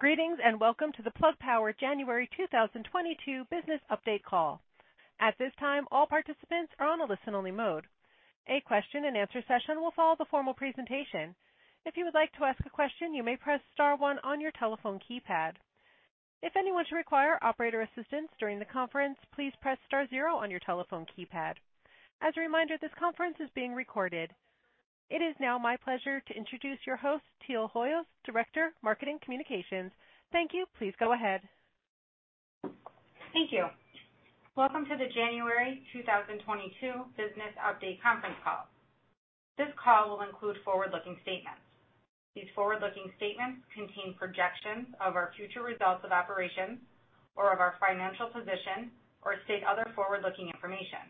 Greetings, and welcome to the Plug Power January 2022 business update call. At this time, all participants are on a listen-only mode. A question and answer session will follow the formal presentation. If you would like to ask a question, you may press star 1 on your telephone keypad. If anyone should require operator assistance during the conference, please press star zero on your telephone keypad. As a reminder, this conference is being recorded. It is now my pleasure to introduce your host, Teal Hoyos, Director, Marketing Communications. Thank you. Please go ahead. Thank you. Welcome to the January 2022 business update conference call. This call will include forward-looking statements. These forward-looking statements contain projections of our future results of operations or of our financial position or state other forward-looking information.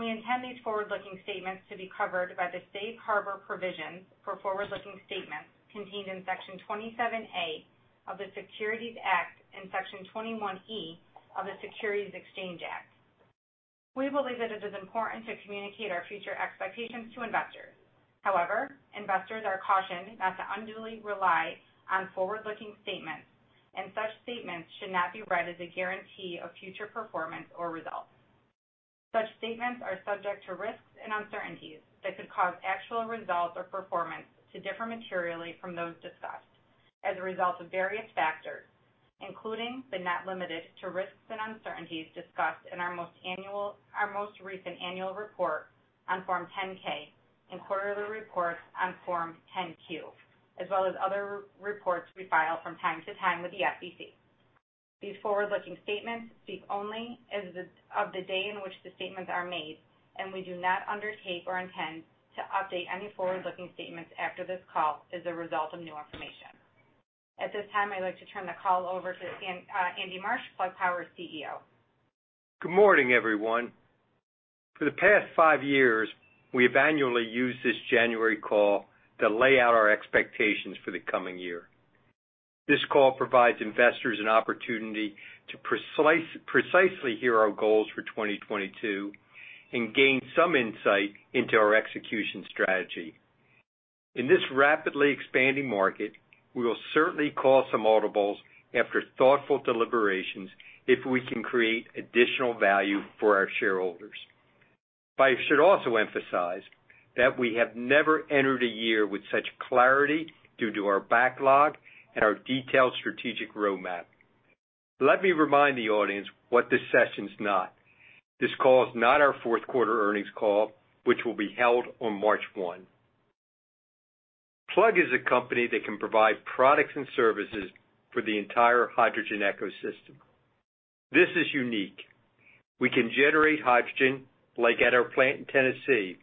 We intend these forward-looking statements to be covered by the Safe Harbor provisions for forward-looking statements contained in Section 27A of the Securities Act and Section 21E of the Securities Exchange Act. We believe that it is important to communicate our future expectations to investors. However, investors are cautioned not to unduly rely on forward-looking statements, and such statements should not be read as a guarantee of future performance or results. Such statements are subject to risks and uncertainties that could cause actual results or performance to differ materially from those discussed as a result of various factors, including but not limited to risks and uncertainties discussed in our most recent annual report on Form 10-K and quarterly reports on Form 10-Q, as well as other reports we file from time to time with the SEC. These forward-looking statements speak only as of the day in which the statements are made, and we do not undertake or intend to update any forward-looking statements after this call as a result of new information. At this time, I'd like to turn the call over to Andy Marsh, Plug Power's CEO. Good morning, everyone. For the past 5 years, we have annually used this January call to lay out our expectations for the coming year. This call provides investors an opportunity to precisely hear our goals for 2022 and gain some insight into our execution strategy. In this rapidly expanding market, we will certainly call some audibles after thoughtful deliberations if we can create additional value for our shareholders. I should also emphasize that we have never entered a year with such clarity due to our backlog and our detailed strategic roadmap. Let me remind the audience what this session is not. This call is not our Q4 earnings call, which will be held on March 1. Plug is a company that can provide products and services for the entire hydrogen ecosystem. This is unique. We can generate hydrogen, like at our plant in Tennessee.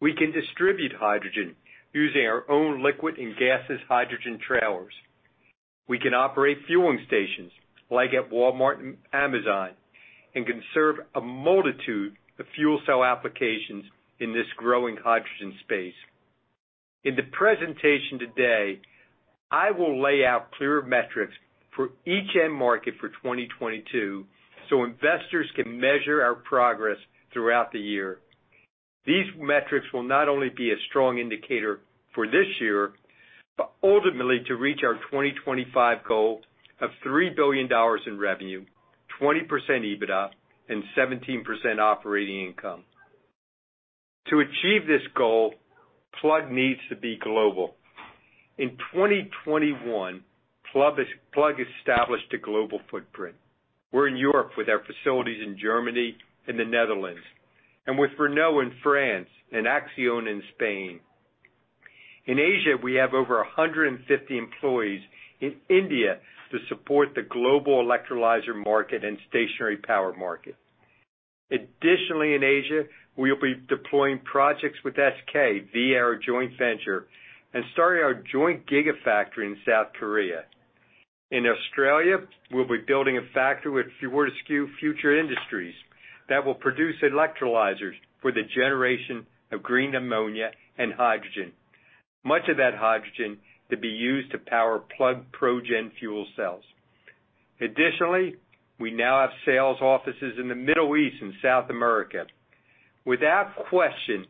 We can distribute hydrogen using our own liquid and gaseous hydrogen trailers. We can operate fueling stations like at Walmart and Amazon and can serve a multitude of fuel cell applications in this growing hydrogen space. In the presentation today, I will lay out clear metrics for each end market for 2022 so investors can measure our progress throughout the year. These metrics will not only be a strong indicator for this year, but ultimately to reach our 2025 goal of $3 billion in revenue, 20% EBITDA, and 17% operating income. To achieve this goal, Plug needs to be global. In 2021, Plug established a global footprint. We're in Europe with our facilities in Germany and the Netherlands, and with Renault in France and ACCIONA in Spain. In Asia, we have over 150 employees in India to support the global electrolyzer market and stationary power market. Additionally, in Asia, we'll be deploying projects with SK via our joint venture and starting our joint gigafactory in South Korea. In Australia, we'll be building a factory with Fortescue Future Industries that will produce electrolyzers for the generation of green ammonia and hydrogen, much of that hydrogen to be used to power Plug ProGen fuel cells. Additionally, we now have sales offices in the Middle East and South America. Without question,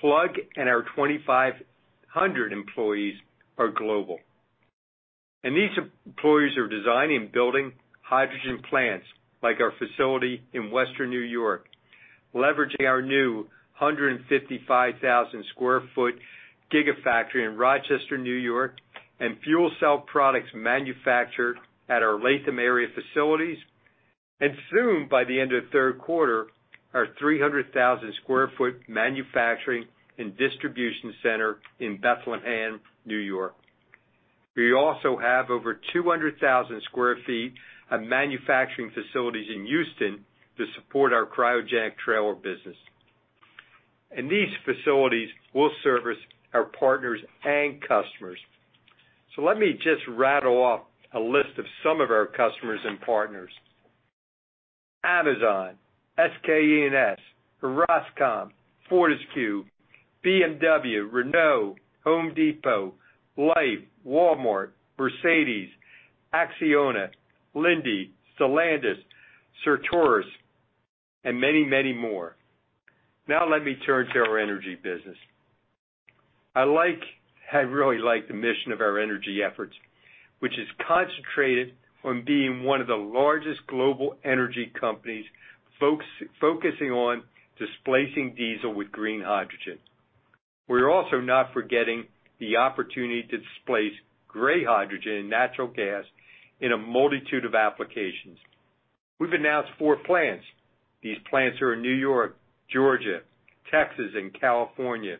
Plug and our 2,500 employees are global. These employees are designing and building hydrogen plants like our facility in Western New York, leveraging our new 155,000 sq ft gigafactory in Rochester, New York, and fuel cell products manufactured at our Latham area facilities, and soon, by the end of Q3, our 300,000 sq ft manufacturing and distribution center in Bethlehem, New York. We also have over 200,000 sq ft of manufacturing facilities in Houston to support our cryogenic trailer business. These facilities will service our partners and customers. Let me just rattle off a list of some of our customers and partners. Amazon, SK E&S, Orascom, Fortescue, BMW, Renault, Home Depot, Lhyfe, Walmart, Mercedes, Acciona, Linde, Solandis, Certarus, and many, many more. Now let me turn to our energy business. I really like the mission of our energy efforts, which is concentrated on being one of the largest global energy companies focusing on displacing diesel with green hydrogen. We're also not forgetting the opportunity to displace gray hydrogen and natural gas in a multitude of applications. We've announced four plants. These plants are in New York, Georgia, Texas, and California.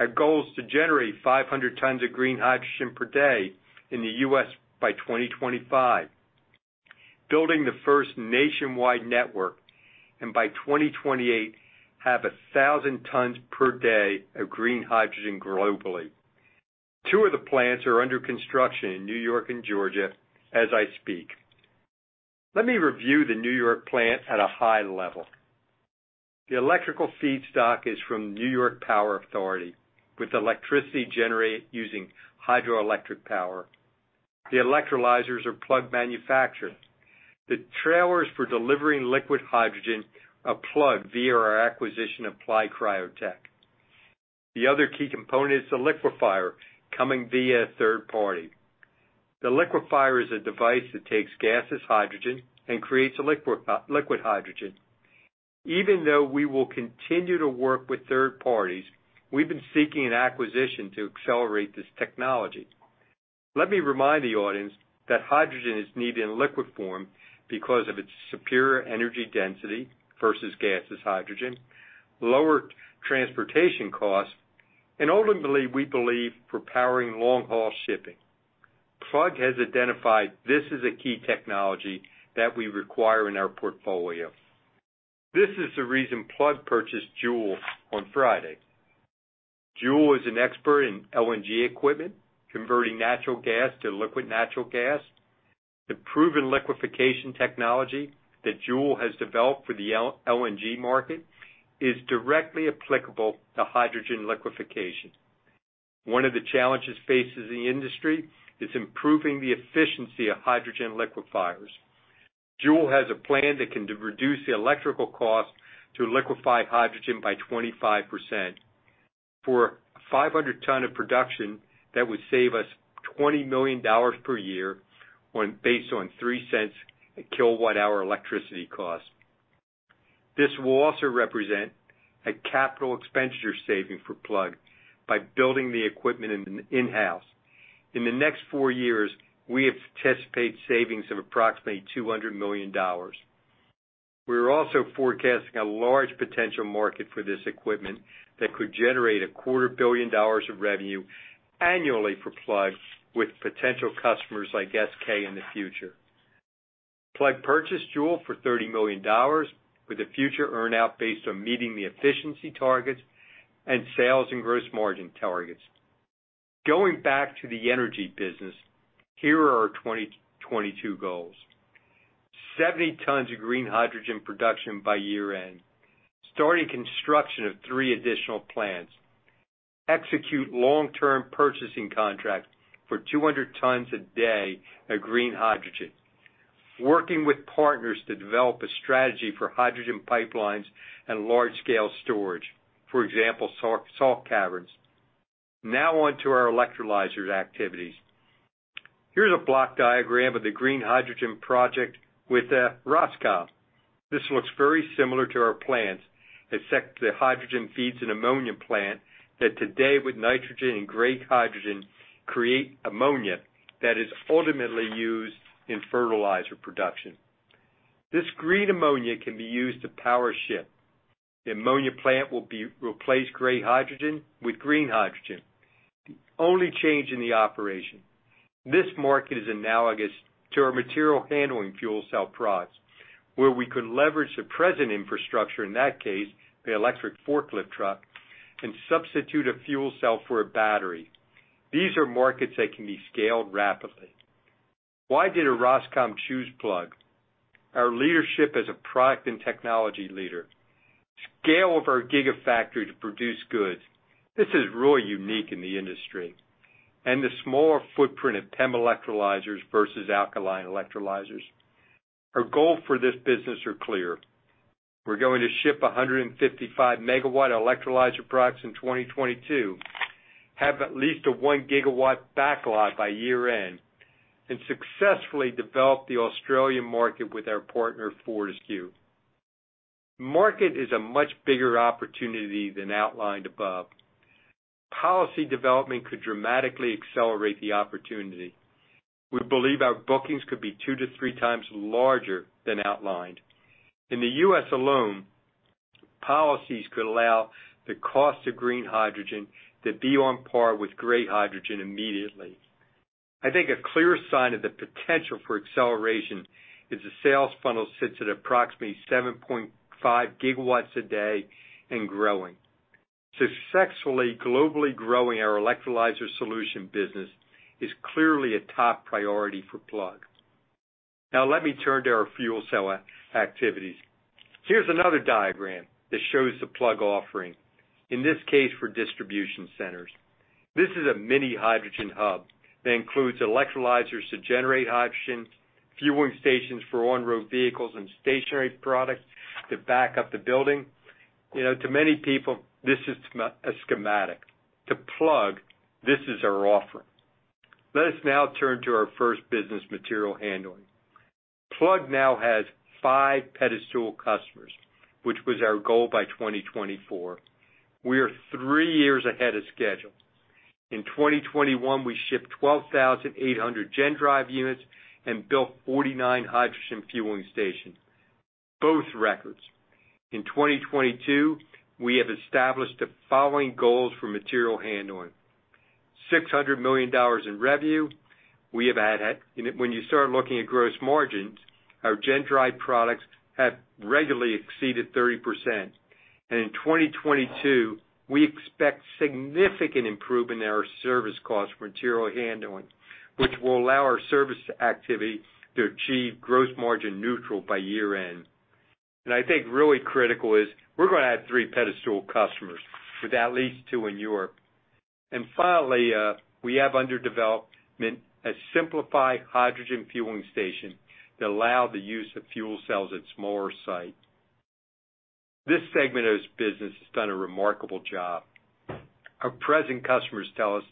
Our goal is to generate 500 tons of green hydrogen per day in the U.S. by 2025, building the 1st nationwide network, and by 2028, have 1,000 tons per day of green hydrogen globally. 2 of the plants are under construction in New York and Georgia as I speak. Let me review the New York plant at a high level. The electrical feedstock is from New York Power Authority, with electricity generated using hydroelectric power. The electrolyzers are Plug manufactured. The trailers for delivering liquid hydrogen are Plug via our acquisition of Applied Cryo Technologies. The other key component is the liquefier coming via a 3rd party. The liquefier is a device that takes gaseous hydrogen and creates a liquid hydrogen. Even though we will continue to work with 3rd parties, we've been seeking an acquisition to accelerate this technology. Let me remind the audience that hydrogen is needed in liquid form because of its superior energy density versus gaseous hydrogen, lower transportation costs, and ultimately, we believe for powering long-haul shipping. Plug has identified this as a key technology that we require in our portfolio. This is the reason Plug purchased Joule on Friday. Joule is an expert in LNG equipment, converting natural gas to liquid natural gas. The proven liquefaction technology that Joule has developed for the LNG market is directly applicable to hydrogen liquefaction. One of the challenges facing the industry is improving the efficiency of hydrogen liquefiers. Joule has a plan that can reduce the electrical cost to liquefy hydrogen by 25%. For 500 tons of production, that would save us $20 million per year when based on 3 cents a kWh electricity cost. This will also represent a capital expenditure saving for Plug by building the equipment in-house. In the next 4 years, we anticipate savings of approximately $200 million. We are also forecasting a large potential market for this equipment that could generate a quarter billion dollars of revenue annually for Plug with potential customers like SK in the future. Plug purchased Joule for $30 million with a future earn-out based on meeting the efficiency targets and sales and gross margin targets. Going back to the energy business, here are our 2022 goals: 70 tons of green hydrogen production by year-end. Starting construction of 3 additional plants. Execute long-term purchasing contracts for 200 tons a day of green hydrogen. Working with partners to develop a strategy for hydrogen pipelines and large-scale storage, for example, salt caverns. Now on to our electrolyzers activities. Here's a block diagram of the green hydrogen project with Orascom. This looks very similar to our plants, except the hydrogen feeds an ammonia plant that today with nitrogen and gray hydrogen create ammonia that is ultimately used in fertilizer production. This green ammonia can be used to power a ship. The ammonia plant will replace gray hydrogen with green hydrogen. The only change in the operation, this market is analogous to our material handling fuel cell products, where we could leverage the present infrastructure, in that case, the electric forklift truck, and substitute a fuel cell for a battery. These are markets that can be scaled rapidly. Why did Roskom choose Plug? Our leadership as a product and technology leader. Scale of our gigafactory to produce goods. This is really unique in the industry. The smaller footprint of PEM electrolyzers versus alkaline electrolyzers. Our goals for this business are clear. We're going to ship 155 MW electrolyzer products in 2022, have at least a 1 GW backlog by year-end, and successfully develop the Australian market with our partner, Fortescue. Market is a much bigger opportunity than outlined above. Policy development could dramatically accelerate the opportunity. We believe our bookings could be 2 to 3 times larger than outlined. In the U.S. alone, policies could allow the cost of green hydrogen to be on par with gray hydrogen immediately. I think a clear sign of the potential for acceleration is the sales funnel sits at approximately 7.5 gigawatts a day and growing. Successfully globally growing our electrolyzer solution business is clearly a top priority for Plug. Now let me turn to our fuel cell activities. Here's another diagram that shows the Plug offering, in this case for distribution centers. This is a mini hydrogen hub that includes electrolyzers to generate hydrogen, fueling stations for on-road vehicles and stationary products to back up the building. You know, to many people, this is a schematic. To Plug, this is our offering. Let us now turn to our first business material handling. Plug now has 5 pedestal customers, which was our goal by 2024. We are three years ahead of schedule. In 2021, we shipped 12,800 GenDrive units and built 49 hydrogen fueling stations, both records. In 2022, we have established the following goals for material handling, $600 million in revenue. We have had that. When you start looking at gross margins, our GenDrive products have regularly exceeded 30%. In 2022, we expect significant improvement in our service cost material handling, which will allow our service activity to achieve gross margin neutral by year end. I think really critical is we're going to add three pedestal customers, with at least 2 in Europe. Finally, we have under development a simplified hydrogen fueling station that allow the use of fuel cells at smaller site. This segment of this business has done a remarkable job. Our present customers tell us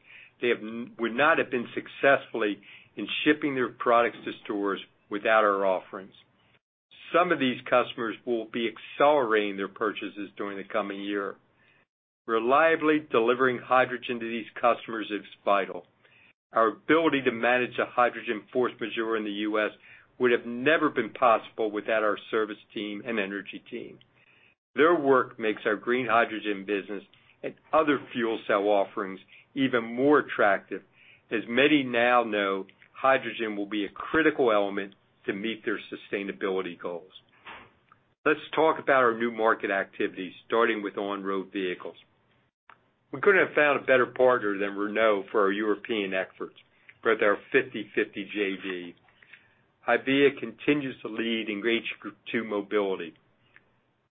they would not have been successful in shipping their products to stores without our offerings. Some of these customers will be accelerating their purchases during the coming year. Reliably delivering hydrogen to these customers is vital. Our ability to manage a hydrogen force majeure in the U.S. would have never been possible without our service team and energy team. Their work makes our green hydrogen business and other fuel cell offerings even more attractive. As many now know, hydrogen will be a critical element to meet their sustainability goals. Let's talk about our new market activities, starting with on-road vehicles. We couldn't have found a better partner than Renault for our European efforts for their 50/50 JV. HYVIA continues to lead in H2 mobility.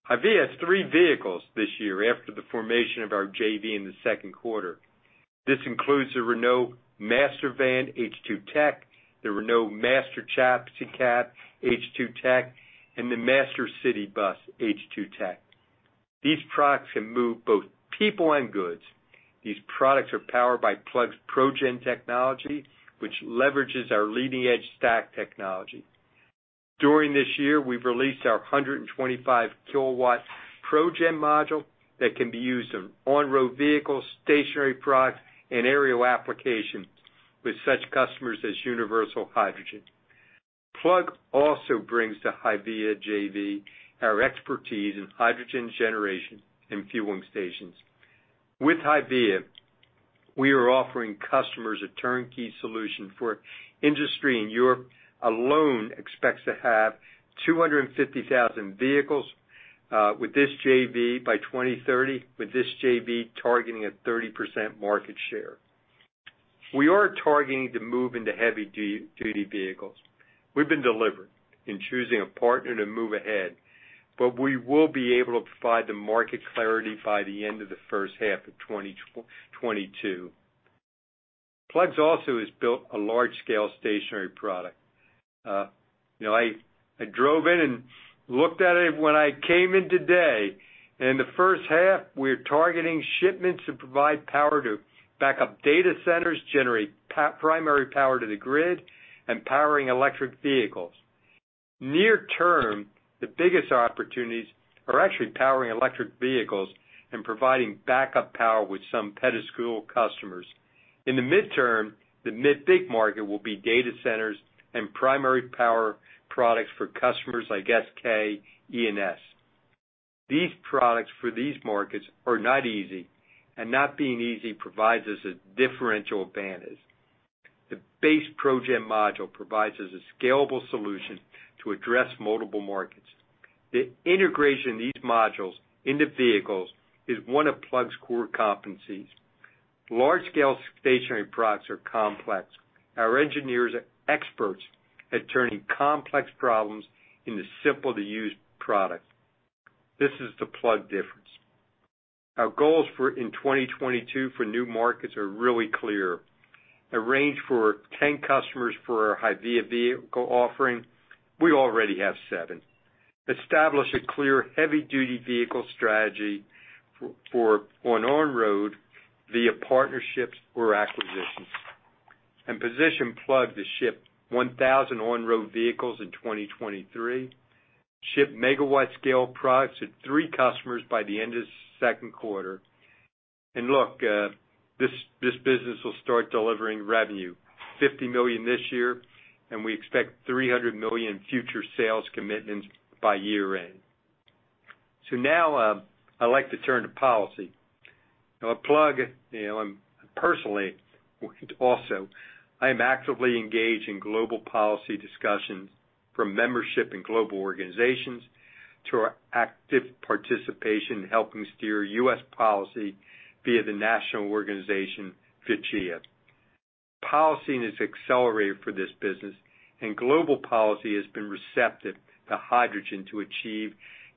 HYVIA has three vehicles this year after the formation of our JV in the Q2. This includes the Renault Master Van H2-TECH, the Renault Master Chassis Cab H2-TECH, and the Master City Bus H2-TECH. These products can move both people and goods. These products are powered by Plug's ProGen technology, which leverages our leading-edge stack technology. During this year, we've released our 125-kilowatt ProGen module that can be used on on-road vehicles, stationary products, and aerial applications with such customers as Universal Hydrogen. Plug also brings to HYVIA JV our expertise in hydrogen generation and fueling stations. With HYVIA, we are offering customers a turnkey solution, as the industry in Europe alone expects to have 250,000 vehicles with this JV by 2030, with this JV targeting a 30% market share. We are targeting to move into heavy-duty vehicles. We've been deliberate in choosing a partner to move ahead, but we will be able to provide the market clarity by the end of the first half of 2022. Plug also has built a large-scale stationary product. You know, I drove in and looked at it when I came in today. In the first half, we're targeting shipments to provide power to back up data centers, generate primary power to the grid, and powering electric vehicles. Near term, the biggest opportunities are actually powering electric vehicles and providing backup power with some pedestal customers. In the midterm, the big market will be data centers and primary power products for customers like SK E&S. These products for these markets are not easy, and not being easy provides us a differential advantage. The base ProGen module provides us a scalable solution to address multiple markets. The integration of these modules into vehicles is one of Plug's core competencies. Large-scale stationary products are complex. Our engineers are experts at turning complex problems into simple-to-use products. This is the Plug difference. Our goals for 2022 for new markets are really clear. A range for 10 customers for our HYVIA vehicle offering, we already have 7. Establish a clear heavy-duty vehicle strategy for on-road via partnerships or acquisitions. Position Plug to ship 1,000 on-road vehicles in 2023. Ship megawatt-scale products to 3 customers by the end of the second quarter. Look, this business will start delivering revenue $50 million this year, and we expect $300 million future sales commitments by year-end. Now, I'd like to turn to policy. Now Plug, you know, and personally also, I am actively engaged in global policy discussions from membership in global organizations to our active participation in helping steer U.S. policy via the national organization, FCHEA. Policy is accelerated for this business and global policy has been receptive to hydrogen to achieve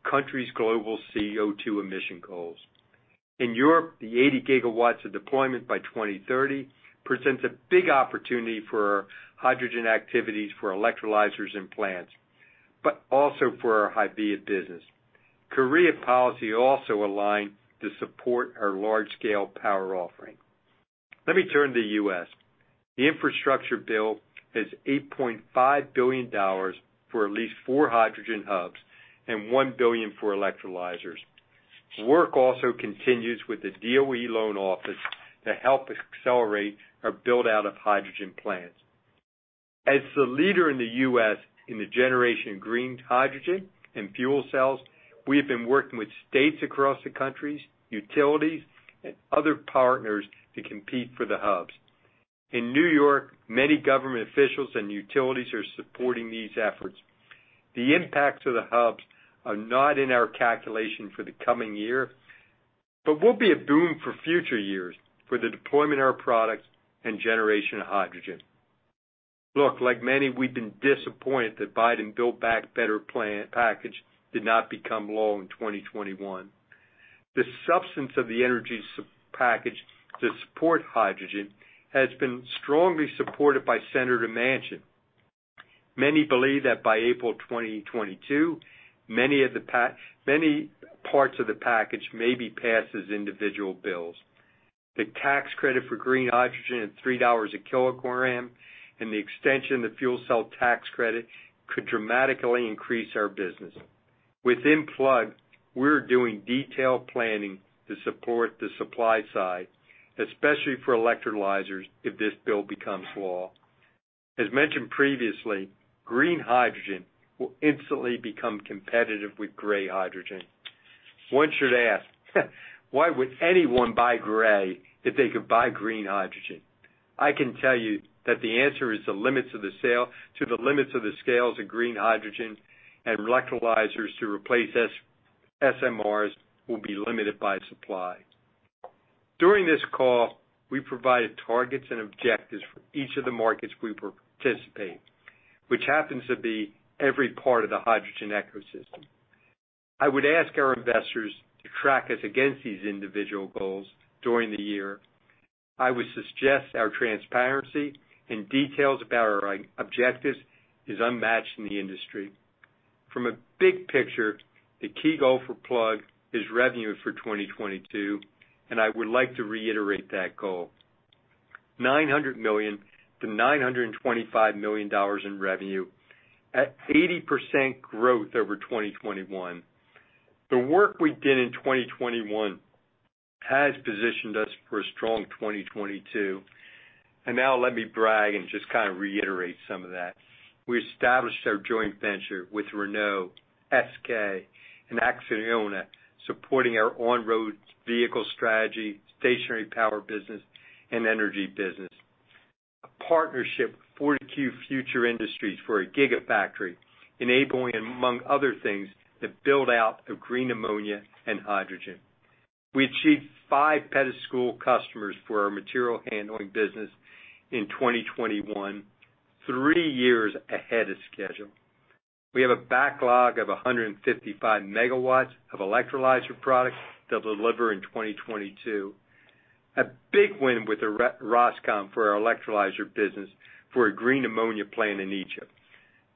countries' global CO₂ emission goals. In Europe, the 80 gigawatts of deployment by 2030 presents a big opportunity for hydrogen activities for electrolyzers and plants, but also for our HYVIA business. Korea policy also aligned to support our large-scale power offering. Let me turn to the U.S. The infrastructure bill has $8.5 billion for at least 4 hydrogen hubs and $1 billion for electrolyzers. Work also continues with the DOE loan office to help accelerate our build-out of hydrogen plants. As the leader in the U.S. in the generation of green hydrogen and fuel cells, we have been working with states across the country, utilities and other partners to compete for the hubs. In New York, many government officials and utilities are supporting these efforts. The impacts of the hubs are not in our calculation for the coming year, but will be a boom for future years for the deployment of our products and generation of hydrogen. Look, like many, we've been disappointed that Biden Build Back Better plan package did not become law in 2021. The substance of the energy package to support hydrogen has been strongly supported by Senator Manchin. Many believe that by April 2022, many parts of the package may be passed as individual bills. The tax credit for green hydrogen at $3 a kilogram and the extension of the fuel cell tax credit could dramatically increase our business. Within Plug, we're doing detailed planning to support the supply side, especially for electrolyzers if this bill becomes law. As mentioned previously, green hydrogen will instantly become competitive with gray hydrogen. One should ask, why would anyone buy gray if they could buy green hydrogen? I can tell you that the answer is the limits of the scale to the limits of the scale of green hydrogen and electrolyzers to replace SMRs will be limited by supply. During this call, we provided targets and objectives for each of the markets we participate, which happens to be every part of the hydrogen ecosystem. I would ask our investors to track us against these individual goals during the year. I would suggest our transparency and details about our objectives is unmatched in the industry. From a big picture, the key goal for Plug is revenue for 2022, and I would like to reiterate that goal. $900 million-$925 million in revenue at 80% growth over 2021. The work we did in 2021 has positioned us for a strong 2022. Now let me brag and just kind of reiterate some of that. We established our joint venture with Renault, SK and ACCIONA, supporting our on-road vehicle strategy, stationary power business and energy business. A partnership with Fortescue Future Industries for a gigafactory, enabling, among other things, the build-out of green ammonia and hydrogen. We achieved five pedestal customers for our material handling business in 2021, three years ahead of schedule. We have a backlog of 155 MW of electrolyzer products to deliver in 2022. A big win with Orascom for our electrolyzer business for a green ammonia plant in Egypt.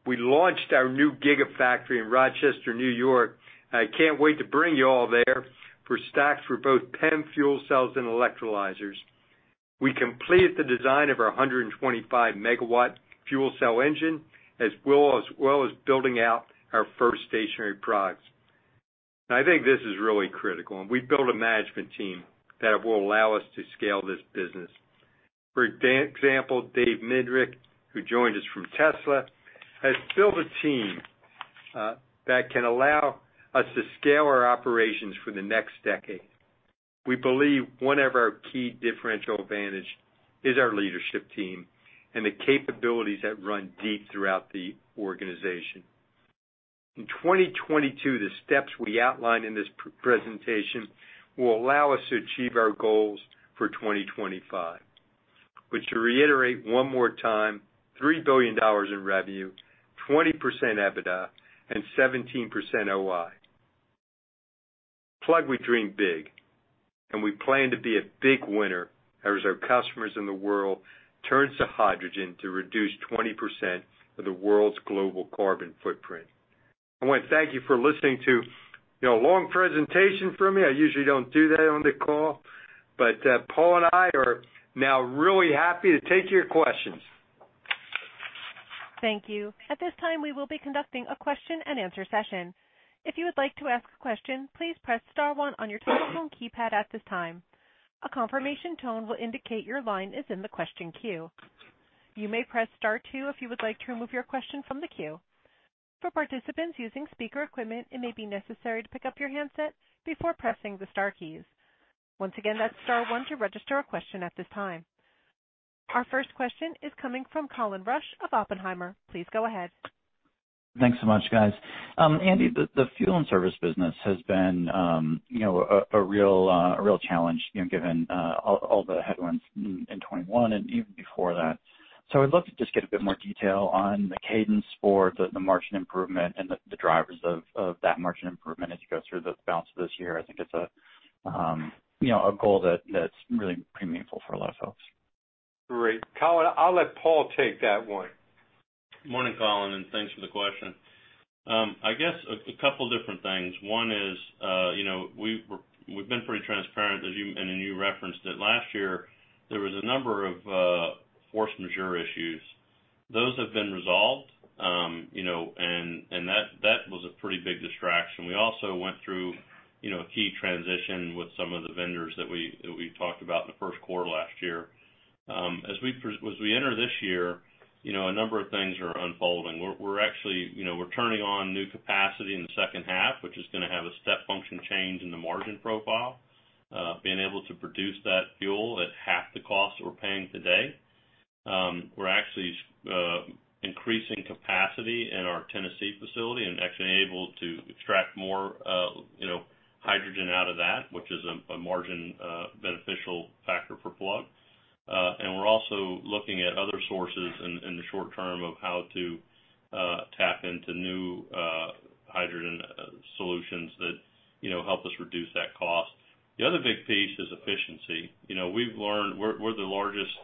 We launched our new gigafactory in Rochester, N.Y. I can't wait to bring you all there, for stacks for both PEM fuel cells and electrolyzers. We completed the design of our 125 MW fuel cell engine, as well as building out our first stationary products. I think this is really critical, and we've built a management team that will allow us to scale this business. For example, Dave Mindnich, who joined us from Tesla, has built a team that can allow us to scale our operations for the next decade. We believe one of our key differential advantage is our leadership team and the capabilities that run deep throughout the organization. In 2022, the steps we outlined in this pre-presentation will allow us to achieve our goals for 2025, which to reiterate one more time, $3 billion in revenue, 20% EBITDA and 17% OI. Plug, we dream big and we plan to be a big winner as our customers in the world turns to hydrogen to reduce 20% of the world's global carbon footprint. I want to thank you for listening to, you know, a long presentation from me. I usually don't do that on the call. Paul and I are now really happy to take your questions. Thank you. At this time, we will be conducting a question and answer session. If you would like to ask a question, please press star 1 on your telephone keypad at this time. A confirmation tone will indicate your line is in the question queue. You may press star two if you would like to remove your question from the queue. For participants using speaker equipment, it may be necessary to pick up your handset before pressing the star keys. Once again, that's star one to register a question at this time. Our first question is coming from Colin Rusch of Oppenheimer. Please go ahead. Thanks so much, guys. Andy, the fuel and service business has been, you know, a real challenge, you know, given all the headwinds in 2021 and even before that. I'd love to just get a bit more detail on the cadence for the margin improvement and the drivers of that margin improvement as you go through the balance of this year. I think it's a goal that's really pretty meaningful for a lot of folks. Great. Colin, I'll let Paul take that one. Morning, Colin, and thanks for the question. I guess a couple different things. 1is, you know, we've been pretty transparent as you know, and then you referenced it. Last year, there was a number of force majeure issues. Those have been resolved, you know, and that was a pretty big distraction. We also went through, you know, a key transition with some of the vendors that we talked about in the Q1 last year. As we enter this year, you know, a number of things are unfolding. We're actually turning on new capacity in the second half, which is going to have a step function change in the margin profile, being able to produce that fuel at half the cost we're paying today. We're actually increasing capacity in our Tennessee facility and actually able to extract more, you know, hydrogen out of that, which is a margin beneficial factor for Plug. We're also looking at other sources in the short term of how to tap into new hydrogen solutions that, you know, help us reduce that cost. The other big piece is efficiency. You know, we've learned we're the largest,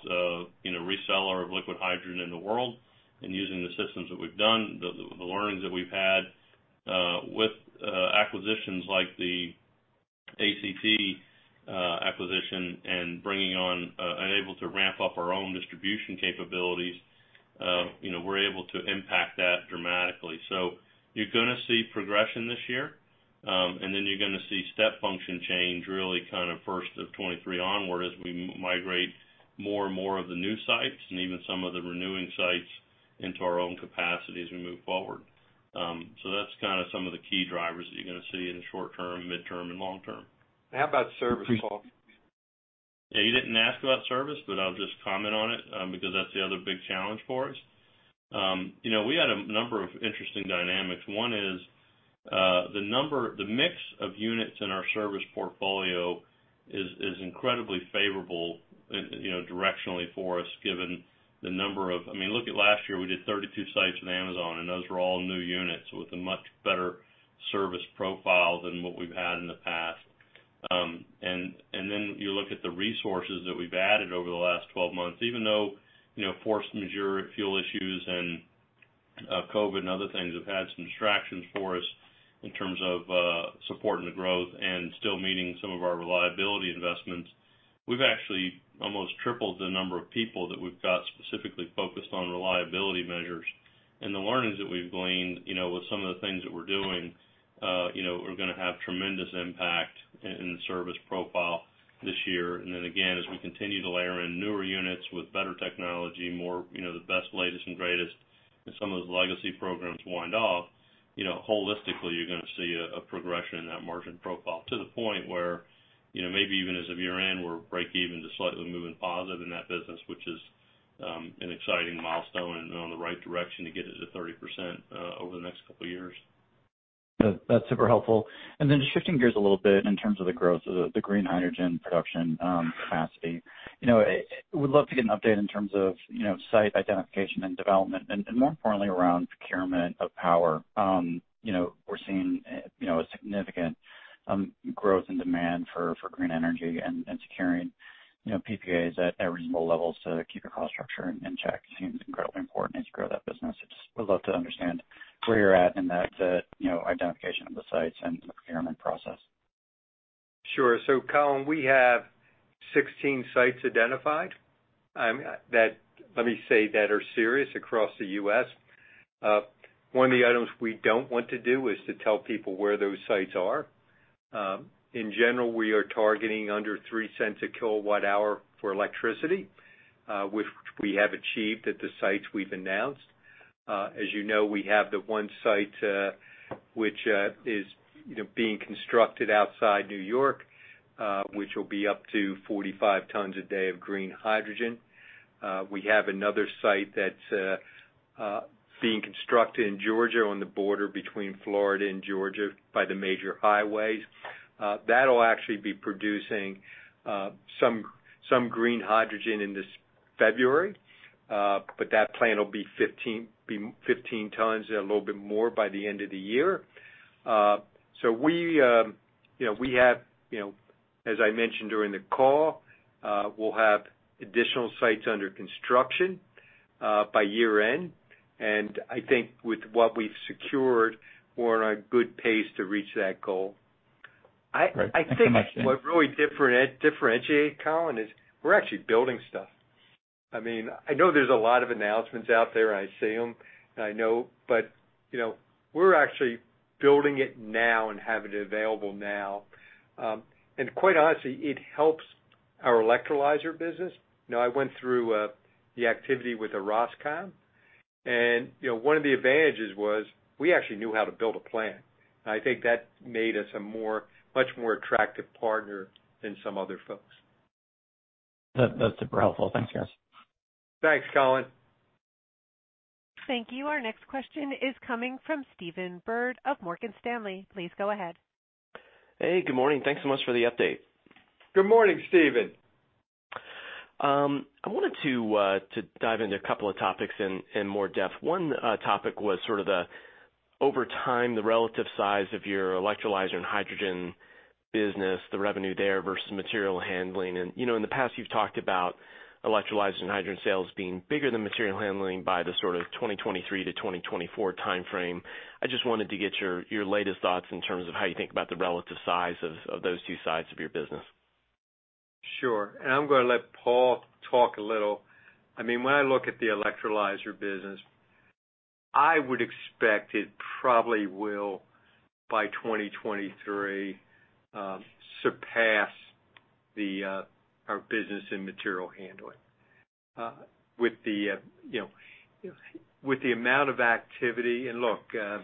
you know, reseller of liquid hydrogen in the world. Using the systems that we've done, the learnings that we've had with acquisitions like the ACT acquisition and bringing on and able to ramp up our own distribution capabilities, we're able to impact that dramatically. You're going to see progression this year, and then you're going to see step function change really kind of first of 2023 onward as we migrate more and more of the new sites and even some of the renewing sites into our own capacity as we move forward. That's kind some of the key drivers that you're going to see in the short term, midterm, and long term. How about service, Paul? Yeah, you didn't ask about service, but I'll just comment on it, because that's the other big challenge for us. You know, we had a number of interesting dynamics. One is, the mix of units in our service portfolio is incredibly favorable, you know, directionally for us, given the number of. I mean, look at last year, we did 32 sites with Amazon, and those were all new units with a much better service profile than what we've had in the past. And then you look at the resources that we've added over the last 12 months. Even though, you know, force majeure fuel issues and, COVID and other things have had some distractions for us in terms of, supporting the growth and still meeting some of our reliability investments, we've actually almost tripled the number of people that we've got specifically focused on reliability measures. The learnings that we've gleaned, you know, with some of the things that we're doing, you know, are going to have tremendous impact in the service profile this year. Then again, as we continue to layer in newer units with better technology, more, you know, the best, latest and greatest, and some of those legacy programs wind off, you know, holistically, you're going to see a progression in that margin profile to the point where, you know, maybe even as of year-end, we're break even to slightly moving positive in that business, which is an exciting milestone and on the right direction to get it to 30% over the next couple years. That's super helpful. Shifting gears a little bit in terms of the growth of the green hydrogen production capacity. You know, would love to get an update in terms of, you know, site identification and development, and more importantly, around procurement of power. You know, we're seeing, you know, a significant growth in demand for green energy and securing, you know, PPAs at reasonable levels to keep your cost structure in check seems incredibly important as you grow that business. I just would love to understand where you're at in that, you know, identification of the sites and the procurement process. Sure. Colin, we have 16 sites identified that are serious across the U.S. One of the items we don't want to do is to tell people where those sites are. In general, we are targeting under 3 cents a kilowatt hour for electricity, which we have achieved at the sites we've announced. As you know, we have the one site which is being constructed outside New York, which will be up to 45 tons a day of green hydrogen. We have another site that's being constructed in Georgia on the border between Florida and Georgia by the major highways. That'll actually be producing some green hydrogen in this February, but that plant will be 15 tons and a little bit more by the end of the year. You know, as I mentioned during the call, we'll have additional sites under construction by year-end, and I think with what we've secured, we're on a good pace to reach that goal. Great. Thanks so much, Andy. I think what really differentiate, Colin, is we're actually building stuff. I mean, I know there's a lot of announcements out there. I see them. I know, but, you know, we're actually building it now and have it available now. Quite honestly, it helps our electrolyzer business. You know, I went through the activity with Orascom, and you know, one of the advantages was we actually knew how to build a plant. I think that made us a much more attractive partner than some other folks. That's super helpful. Thanks, guys. Thanks, Colin. Thank you. Our next question is coming from Stephen Byrd of Morgan Stanley. Please go ahead. Hey, good morning. Thanks so much for the update. Good morning, Stephen. I wanted to dive into a couple of topics in more depth. 1 topic was sort of over time, the relative size of your electrolyzer and hydrogen business, the revenue there versus material handling. You know, in the past, you've talked about electrolyzers and hydrogen sales being bigger than material handling by the sort of 2023 to 2024 timeframe. I just wanted to get your latest thoughts in terms of how you think about the relative size of those two sides of your business. Sure. I'm going to let Paul talk a little. I mean, when I look at the electrolyzer business, I would expect it probably will, by 2023, surpass our business in material handling. With the amount of activity, and look, you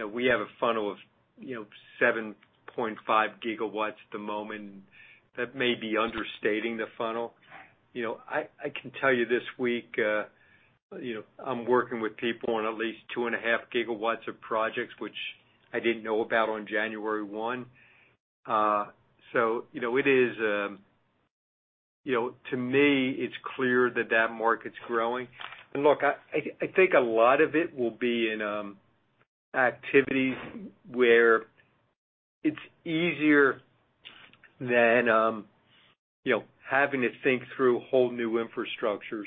know, we have a funnel of 7.5 GW at the moment. That may be understating the funnel. You know, I can tell you this week, you know, I'm working with people on at least 2.5 GW of projects, which I didn't know about on January 1. So, it is. To me, it's clear that that market's growing. Look, I think a lot of it will be in activities where it's easier than you know, having to think through whole new infrastructures.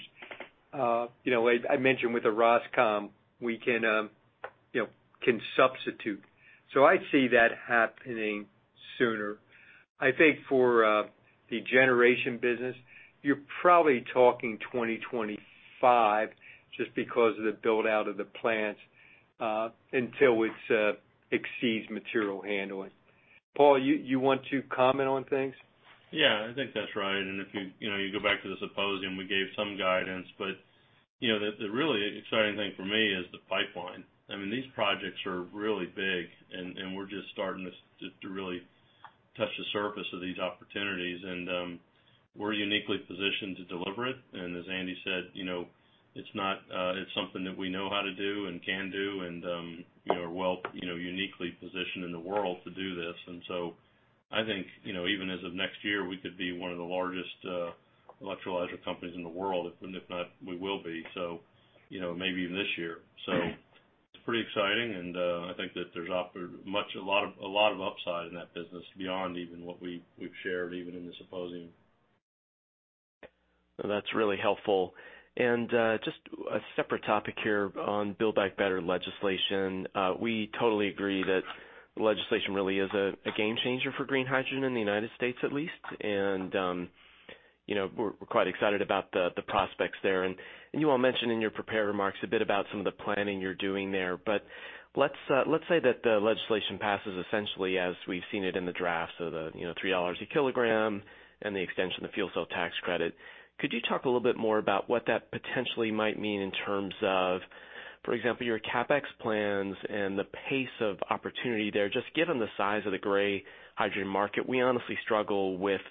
You know, I mentioned with Orascom Construction, we can substitute. I see that happening sooner. I think for the generation business, you're probably talking 2025 just because of the build-out of the plants until it exceeds material handling. Paul, you want to comment on things? Yeah, I think that's right. If you know, you go back to the symposium, we gave some guidance. You know, the really exciting thing for me is the pipeline. I mean, these projects are really big, and we're just starting to to really touch the surface of these opportunities. We're uniquely positioned to deliver it. As Andy said, you know, it's not. It's something that we know how to do and can do and, you know, are well, you know, uniquely positioned in the world to do this. I think, you know, even as of next year, we could be one of the largest electrolyzer companies in the world. If not, we will be. You know, maybe even this year. It's pretty exciting, and I think that there's a lot of upside in that business beyond even what we've shared even in the supposing. That's really helpful. Just a separate topic here on Build Back Better legislation. We totally agree that legislation really is a game changer for green hydrogen in the United States at least. You know, we're quite excited about the prospects there. You all mentioned in your prepared remarks a bit about some of the planning you're doing there. Let's say that the legislation passes essentially as we've seen it in the draft, so $3 a kilogram and the extension of the fuel cell tax credit. Could you talk a little bit more about what that potentially might mean in terms of, for example, your CapEx plans and the pace of opportunity there? Just given the size of the gray hydrogen market, we honestly struggle with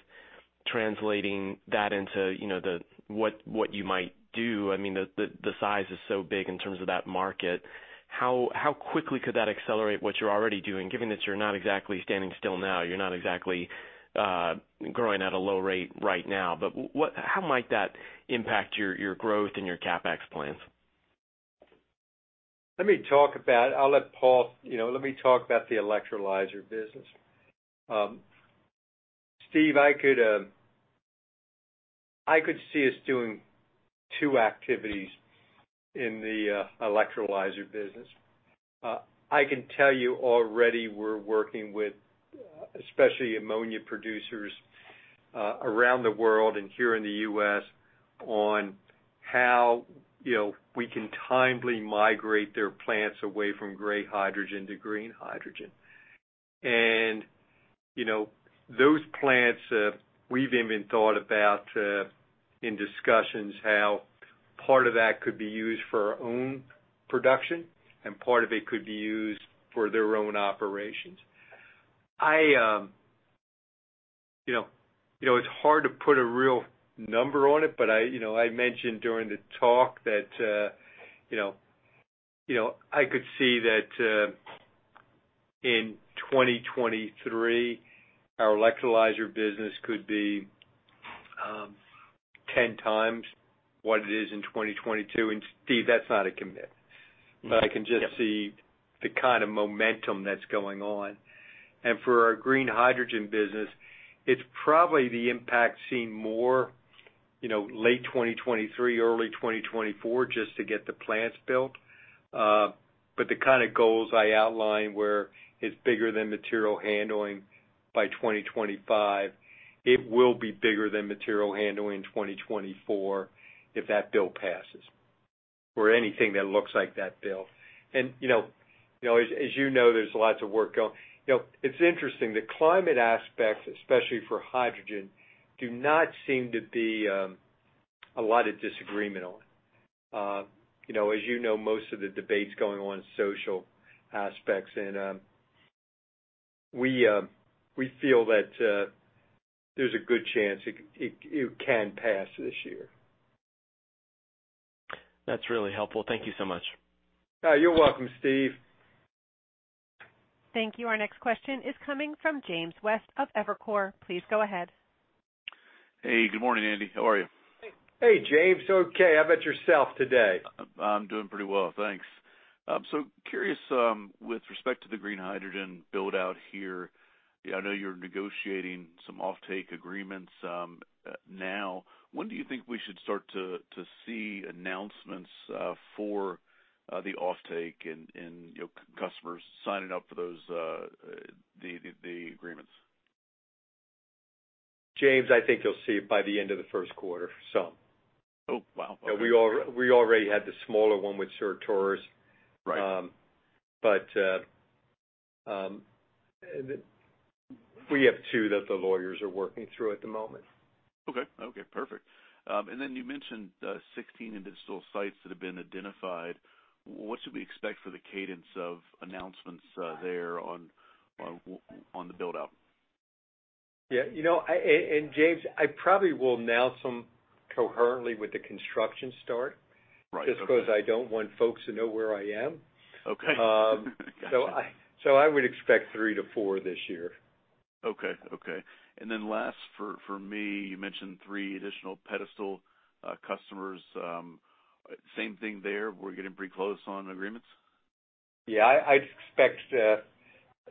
translating that into, you know, what you might do. I mean, the size is so big in terms of that market. How quickly could that accelerate what you're already doing, given that you're not exactly standing still now? You're not exactly growing at a low rate right now. How might that impact your growth and your CapEx plans? Let me talk about the electrolyzer business. Stephen, I could see us doing two activities in the electrolyzer business. I can tell you already we're working with, especially ammonia producers, around the world and here in the U.S. on how, you know, we can timely migrate their plants away from gray hydrogen to green hydrogen. You know, those plants, we've even thought about, in discussions how part of that could be used for our own production, and part of it could be used for their own operations. I you know, it's hard to put a real number on it, but I you know, I mentioned during the talk that you know, I could see that in 2023, our electrolyzer business could be 10 times what it is in 2022. Steve, that's not a commitment. Yeah. I can just see the kind of momentum that's going on. For our green hydrogen business, it's probably the impact seen more, you know, late 2023, early 2024 just to get the plants built. The kind of goals I outlined where it's bigger than material handling by 2025, it will be bigger than material handling in 2024 if that bill passes or anything that looks like that bill. You know, as you know, there's lots of work going. You know, it's interesting, the climate aspects, especially for hydrogen, do not seem to be a lot of disagreement on. You know, as you know, most of the debates going on social aspects and we feel that there's a good chance it can pass this year. That's really helpful. Thank you so much. You're welcome, Steve. Thank you. Our next question is coming from James West of Evercore. Please go ahead. Hey, good morning, Andy. How are you? Hey, James. Okay, how about yourself today? I'm doing pretty well. Thanks. I'm curious with respect to the green hydrogen build-out here. I know you're negotiating some offtake agreements now. When do you think we should start to see announcements for the offtake and customers signing up for those agreements? James, I think you'll see it by the end of the first quarter, some. Oh, wow. Okay. We already had the smaller one with Certarus. Right. We have 2 that the lawyers are working through at the moment. Okay. Okay, perfect. You mentioned 16 industrial sites that have been identified. What should we expect for the cadence of announcements there on the build-out? Yeah, you know, James, I probably will announce them coherently with the construction start. Right. Okay. Just because I don't want folks to know where I am. Okay. Gotcha. I would expect 3-4 this year. Okay. Last for me, you mentioned three additional pedestal customers. Same thing there. We're getting pretty close on agreements? Yeah. I'd expect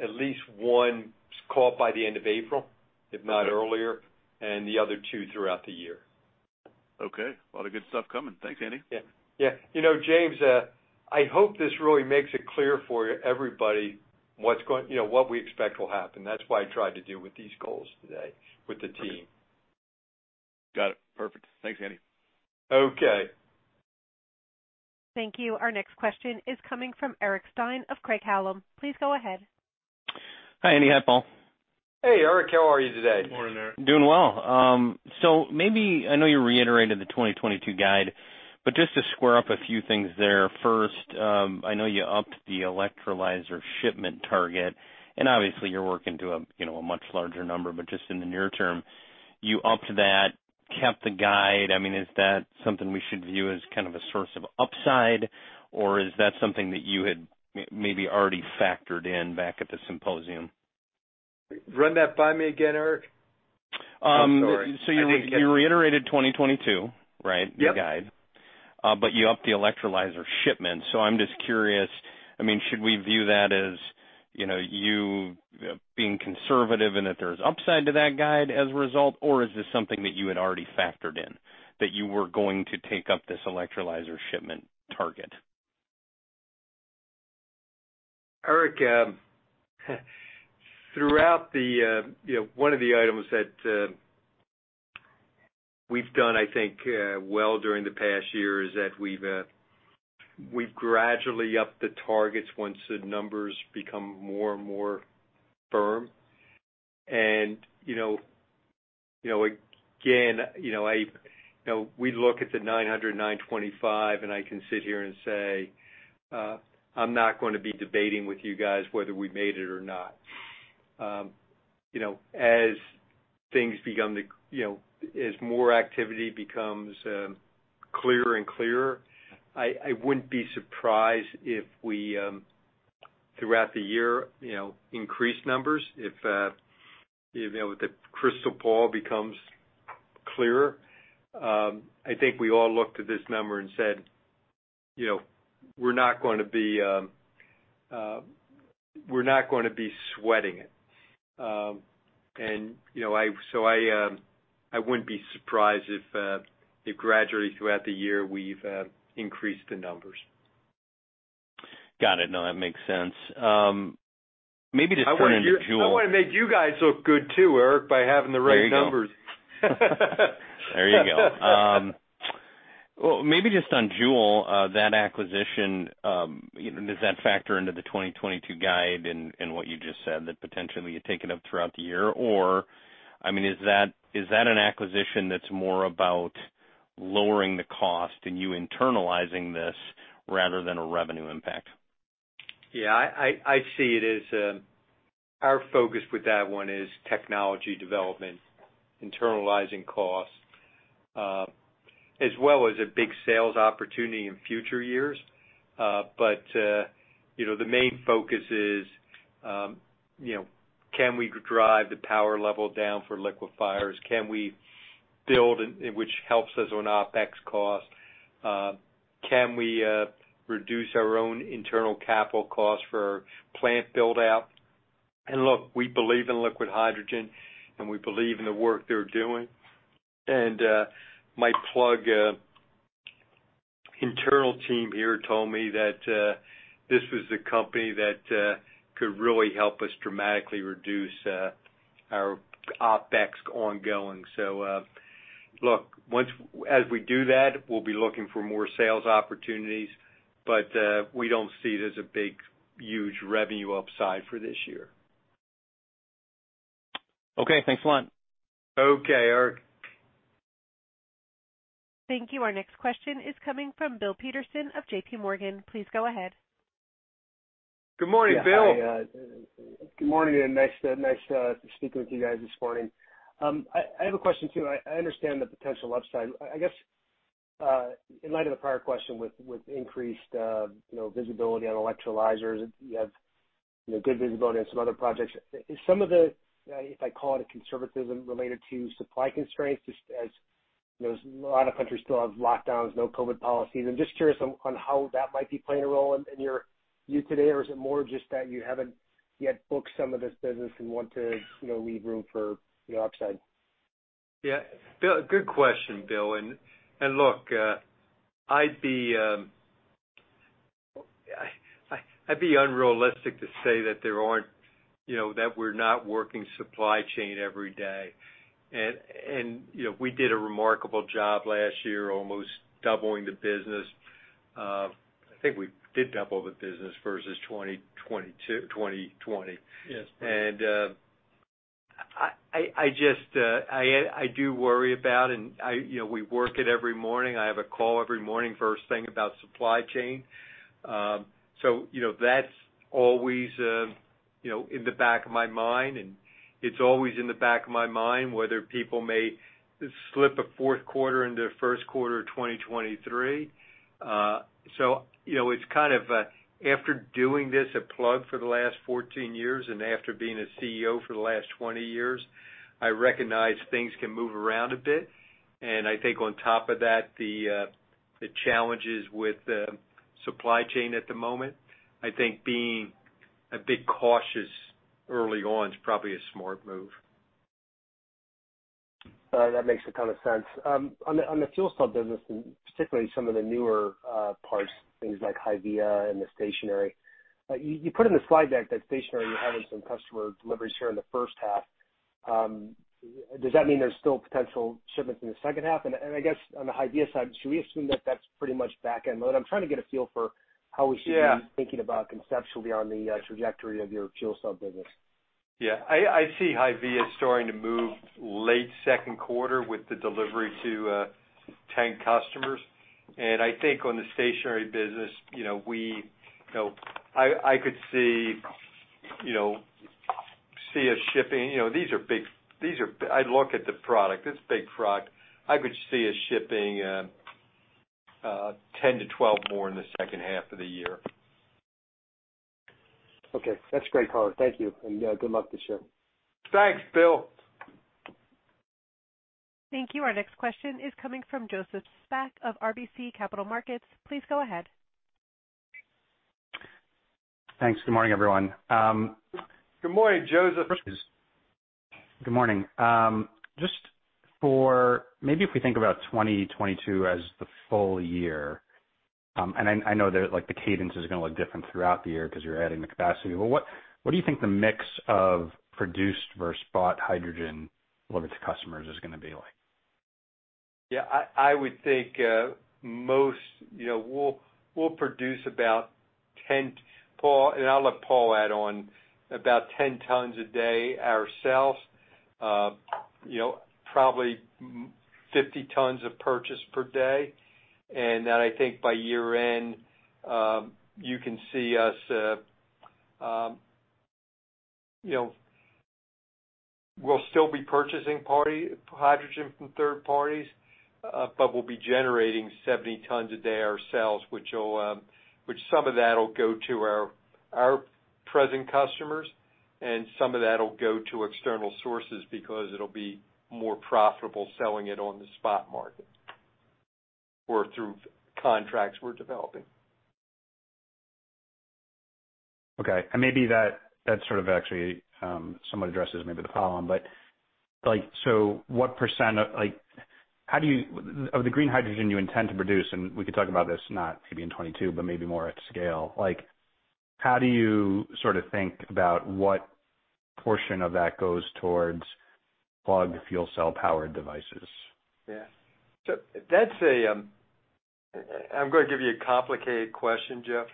at least one call by the end of April. Okay. if not earlier, and the other two throughout the year. Okay. A lot of good stuff coming. Thanks, Andy. Yeah. You know, James, I hope this really makes it clear for everybody you know, what we expect will happen. That's why I tried to deal with these goals today with the team. Got it. Perfect. Thanks, Andy. Okay. Thank you. Our next question is coming from Eric Stine of Craig-Hallum. Please go ahead. Hi, Andy. Hi, Paul. Hey, Eric. How are you today? Morning, Eric. Doing well. Maybe I know you reiterated the 2022 guide, but just to square up a few things there. First, I know you upped the electrolyzer shipment target, and obviously you're working to a you know a much larger number. Just in the near term, you upped that, kept the guide. I mean, is that something we should view as kind of a source of upside, or is that something that you had maybe already factored in back at the symposium? Run that by me again, Eric. I'm sorry. Um, so you- I didn't get- You reiterated 2022, right? Yep. The guide. But you upped the electrolyzer shipment. I'm just curious, I mean, should we view that as, you know, you being conservative and that there's upside to that guide as a result, or is this something that you had already factored in, that you were going to take up this electrolyzer shipment target? Eric, throughout the, you know, one of the items that we've done, I think, well during the past year is that we've gradually upped the targets once the numbers become more and more firm. You know, you know, again, you know, we look at the 900, 925, and I can sit here and say, I'm not going to be debating with you guys whether we made it or not. You know, as things become the, you know, as more activity becomes clearer and clearer, I wouldn't be surprised if we throughout the year, you know, increase numbers if, you know, the crystal ball becomes clearer. I think we all looked at this number and said, you know, we're not going to be sweating it. You know, I wouldn't be surprised if gradually throughout the year, we've increased the numbers. Got it. No, that makes sense. Maybe to turn into Joule. I wanna make you guys look good too, Eric, by having the right numbers. There you go. Well, maybe just on Joule, that acquisition, you know, does that factor into the 2022 guide and what you just said that potentially you take it up throughout the year? I mean, is that an acquisition that's more about lowering the cost and you internalizing this rather than a revenue impact? I see it as our focus with that one is technology development, internalizing costs, as well as a big sales opportunity in future years. You know, the main focus is, you know, can we drive the power level down for liquefiers? Can we build in, which helps us on OpEx cost? Can we reduce our own internal capital costs for plant build-out? Look, we believe in liquid hydrogen, and we believe in the work they're doing. My Plug internal team here told me that this was the company that could really help us dramatically reduce our OpEx ongoing. Look, once as we do that, we'll be looking for more sales opportunities, but we don't see it as a big, huge revenue upside for this year. Okay. Thanks a lot. Okay, Eric. Thank you. Our next question is coming from Bill Peterson of J.P. Morgan. Please go ahead. Good morning, Bill. Good morning, and nice to speak with you guys this morning. I have a question too. I understand the potential upside. I guess, in light of the prior question with increased, you know, visibility on electrolyzers, you have, you know, good visibility on some other projects. Is some of the, if I call it, conservatism related to supply constraints, just as, you know, a lot of countries still have lockdowns, no COVID policies? I'm just curious on how that might be playing a role in your view today, or is it more just that you haven't yet booked some of this business and want to, you know, leave room for the upside? Yeah. Bill. Good question, Bill. Look, I'd be unrealistic to say that there aren't, you know, that we're not working supply chain every day. You know, we did a remarkable job last year almost doubling the business. I think we did double the business versus 2022-2020. Yes. I just do worry about, you know, we work it every morning. I have a call every morning 1st thing about supply chain. You know, that's always in the back of my mind, and it's always in the back of my mind whether people may slip a Q4 into first quarter of 2023. You know, it's kind of after doing this at Plug for the last 14 years and after being a CEO for the last 20 years, I recognize things can move around a bit. I think on top of that, the challenges with the supply chain at the moment, I think being a bit cautious early on is probably a smart move. That makes a ton of sense. On the fuel cell business and particularly some of the newer parts, things like HYVIA and the stationary. You put in the slide deck that stationary, you're having some customer deliveries here in the H1. Does that mean there's still potential shipments in the second half? I guess on the HYVIA side, should we assume that that's pretty much back-end loaded? I'm trying to get a feel for how we should- Yeah... be thinking about conceptually on the trajectory of your fuel cell business. Yeah. I see HYVIA starting to move late Q2 with the delivery to 10 customers. I think on the stationary business, you know, I could see us shipping. You know, these are big. I look at the product. This is a big product. I could see us shipping 10 to 12 more in the second half of the year. Okay, that's great, Colin. Thank you, and good luck this year. Thanks, Bill. Thank you. Our next question is coming from Joseph Spak of RBC Capital Markets. Please go ahead. Thanks. Good morning, everyone. Good morning, Joseph. Good morning. Just for maybe if we think about 2022 as the full year, and I know that, like, the cadence is going to look different throughout the year 'cause you're adding the capacity. But what do you think the mix of produced versus bought hydrogen delivered to customers is going to be like? Yeah. I would think, you know, we'll produce about 10 tons a day ourselves. I'll let Paul add on, about 10 tons a day ourselves. You know, probably 50 tons purchased per day. I think by year-end, you can see us, you know, we'll still be purchasing hydrogen from third parties, but we'll be generating 70 tons a day ourselves, which some of that'll go to our present customers, and some of that'll go to external sources because it'll be more profitable selling it on the spot market or through contracts we're developing. Okay. Maybe that sort of actually somewhat addresses maybe the follow on. Like, what percent of the green hydrogen you intend to produce, and we can talk about this not maybe in 2022, but maybe more at scale, like how do you sort of think about what portion of that goes towards Plug fuel cell powered devices? Yeah, I'm going to give you a complicated answer, Joe.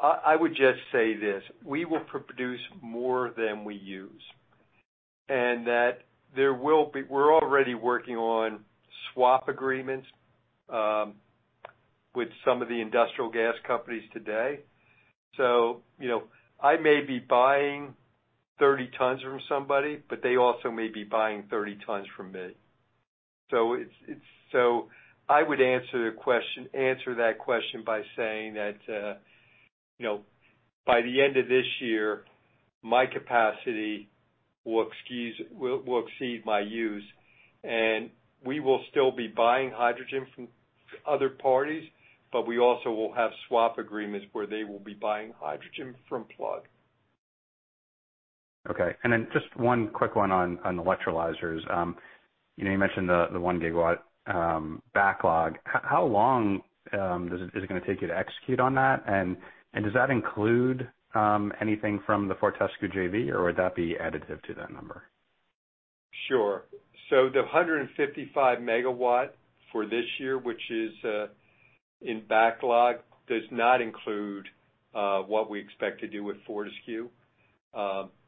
I would just say this, we will produce more than we use, and we're already working on swap agreements with some of the industrial gas companies today. You know, I may be buying 30 tons from somebody, but they also may be buying 30 tons from me. I would answer that question by saying that, you know, by the end of this year, my capacity will exceed my use. We will still be buying hydrogen from other parties, but we also will have swap agreements where they will be buying hydrogen from Plug. Okay. Just one quick one on electrolyzers. You know, you mentioned the 1-gigawatt backlog. How long is it going to take you to execute on that? Does that include anything from the Fortescue JV, or would that be additive to that number? Sure. The 155 MW for this year, which is in backlog, does not include what we expect to do with Fortescue.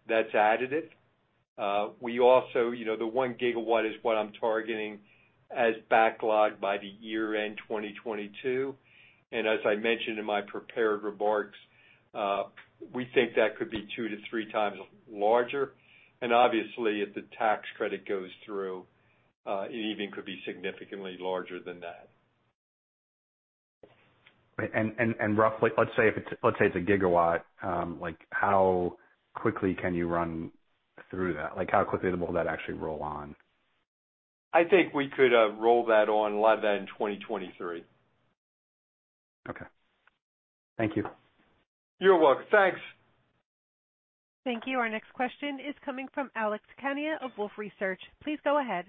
That's additive. We also, you know, the 1 GW is what I'm targeting as backlog by the year-end 2022. As I mentioned in my prepared remarks, we think that could be 2-3 times larger. Obviously, if the tax credit goes through, it even could be significantly larger than that. Roughly let's say if it's a gigawatt, like how quickly can you run through that? Like, how quickly will that actually roll on? I think we could roll that on, a lot of that in 2023. Okay. Thank you. You're welcome. Thanks. Thank you. Our next question is coming from Alex Kania of Wolfe Research. Please go ahead.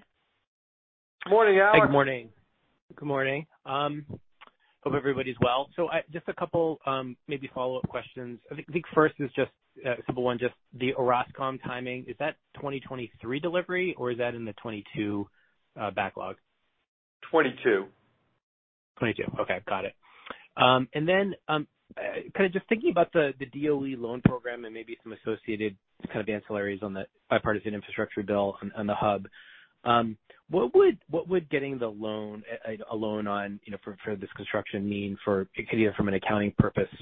Morning, Alex. Good morning. Hope everybody's well. Just a couple, maybe follow-up questions. I think first is just a simple one, just the Orascom timing. Is that 2023 delivery or is that in the 2022 backlog? Twenty-two. 22. Okay. Got it. Just thinking about the DOE loan program and maybe some associated kind of ancillaries on the bipartisan infrastructure bill on the hub, what would getting the loan, a loan on, you know, for this construction mean for either from an accounting purposes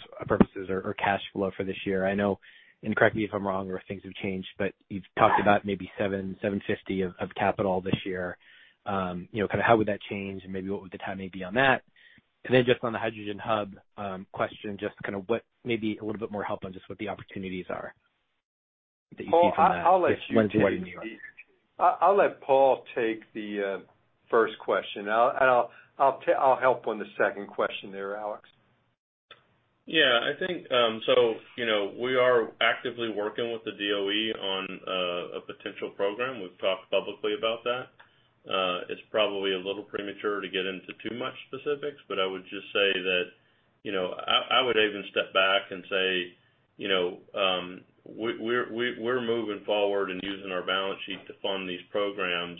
or cash flow for this year? I know, and correct me if I'm wrong or if things have changed, but you've talked about maybe 750 of capital this year. You know, how would that change and maybe what would the timing be on that? Just on the Hydrogen Hub question, what maybe a little bit more help on just what the opportunities are that you see from that. Paul, I'll let Paul take the first question. I'll help on the second question there, Alex. Yeah, I think, so, you know, we are actively working with the DOE on a potential program. We've talked publicly about that. It's probably a little premature to get into too much specifics, but I would just say that, you know, I would even step back and say, you know, we're moving forward and using our balance sheet to fund these programs.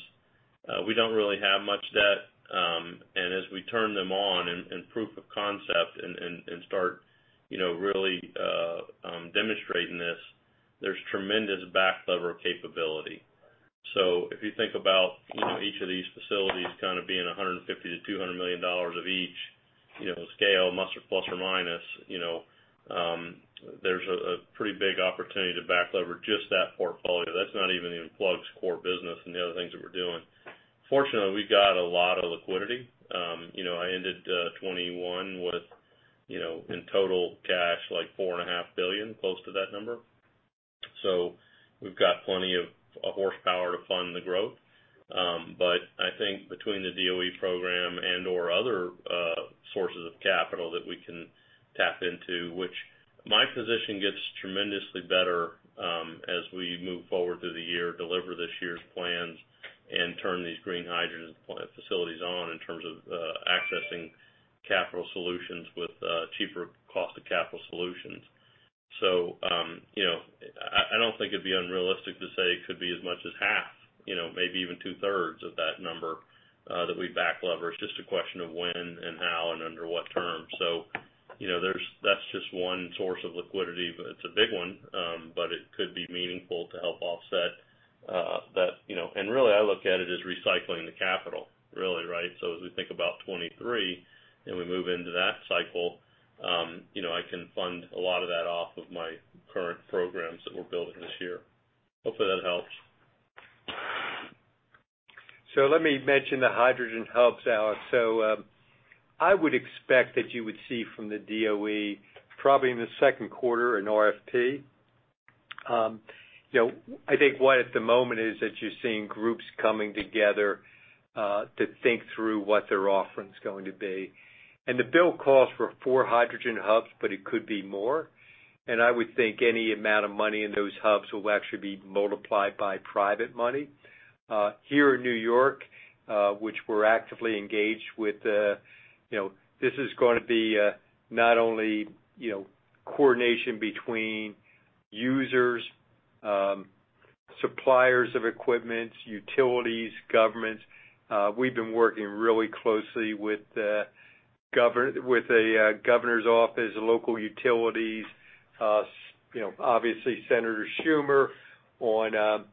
We don't really have much debt, and as we turn them on and proof of concept and start, you know, really, demonstrating this, there's tremendous leverage capability. If you think about each of these facilities kind of being $150 million-$200 million CapEx of each scale, must be plus or minus, there's a pretty big opportunity to leverage just that portfolio. That's not even in Plug's core business and the other things that we're doing. Fortunately, we've got a lot of liquidity. I ended 2021 with in total cash, like $4.5 billion, close to that number. We've got plenty of horsepower to fund the growth. I think between the DOE program and/or other sources of capital that we can tap into, which my position gets tremendously better as we move forward through the year, deliver this year's plans, and turn these green hydrogen plant facilities on in terms of accessing capital solutions with cheaper cost of capital solutions. You know, I don't think it'd be unrealistic to say it could be as much as half, you know, maybe even two-thirds of that number that we back lever. It's just a question of when and how and under what terms. You know, that's just one source of liquidity, but it's a big one. It could be meaningful to help offset that, you know, and really I look at it as recycling the capital really, right? As we think about 2023 and we move into that cycle, you know, I can fund a lot of that off of my current programs that we're building this year. Hopefully, that helps. Let me mention the Hydrogen Hubs, Alex. I would expect that you would see from the DOE, probably in the second quarter an RFP. You know, I think what at the moment is that you're seeing groups coming together to think through what their offering is going to be. The bill calls for four hydrogen hubs, but it could be more. I would think any amount of money in those hubs will actually be multiplied by private money. Here in New York, which we're actively engaged with, you know, this is going to be not only, you know, coordination between users, suppliers of equipment, utilities, governments. We've been working really closely with the governor's office, local utilities, so you know, obviously Senator Schumer on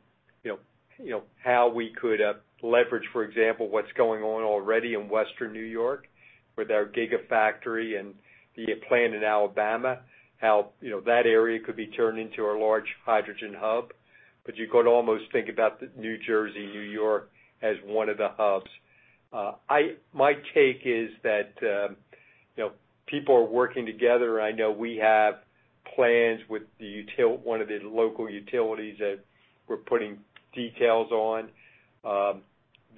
you know how we could leverage, for example, what's going on already in Western New York with our gigafactory and the plant in Albany, how you know that area could be turned into a large hydrogen hub. But you could almost think about the New Jersey, New York as one of the hubs. My take is that you know people are working together. I know we have plans with one of the local utilities that we're putting details on.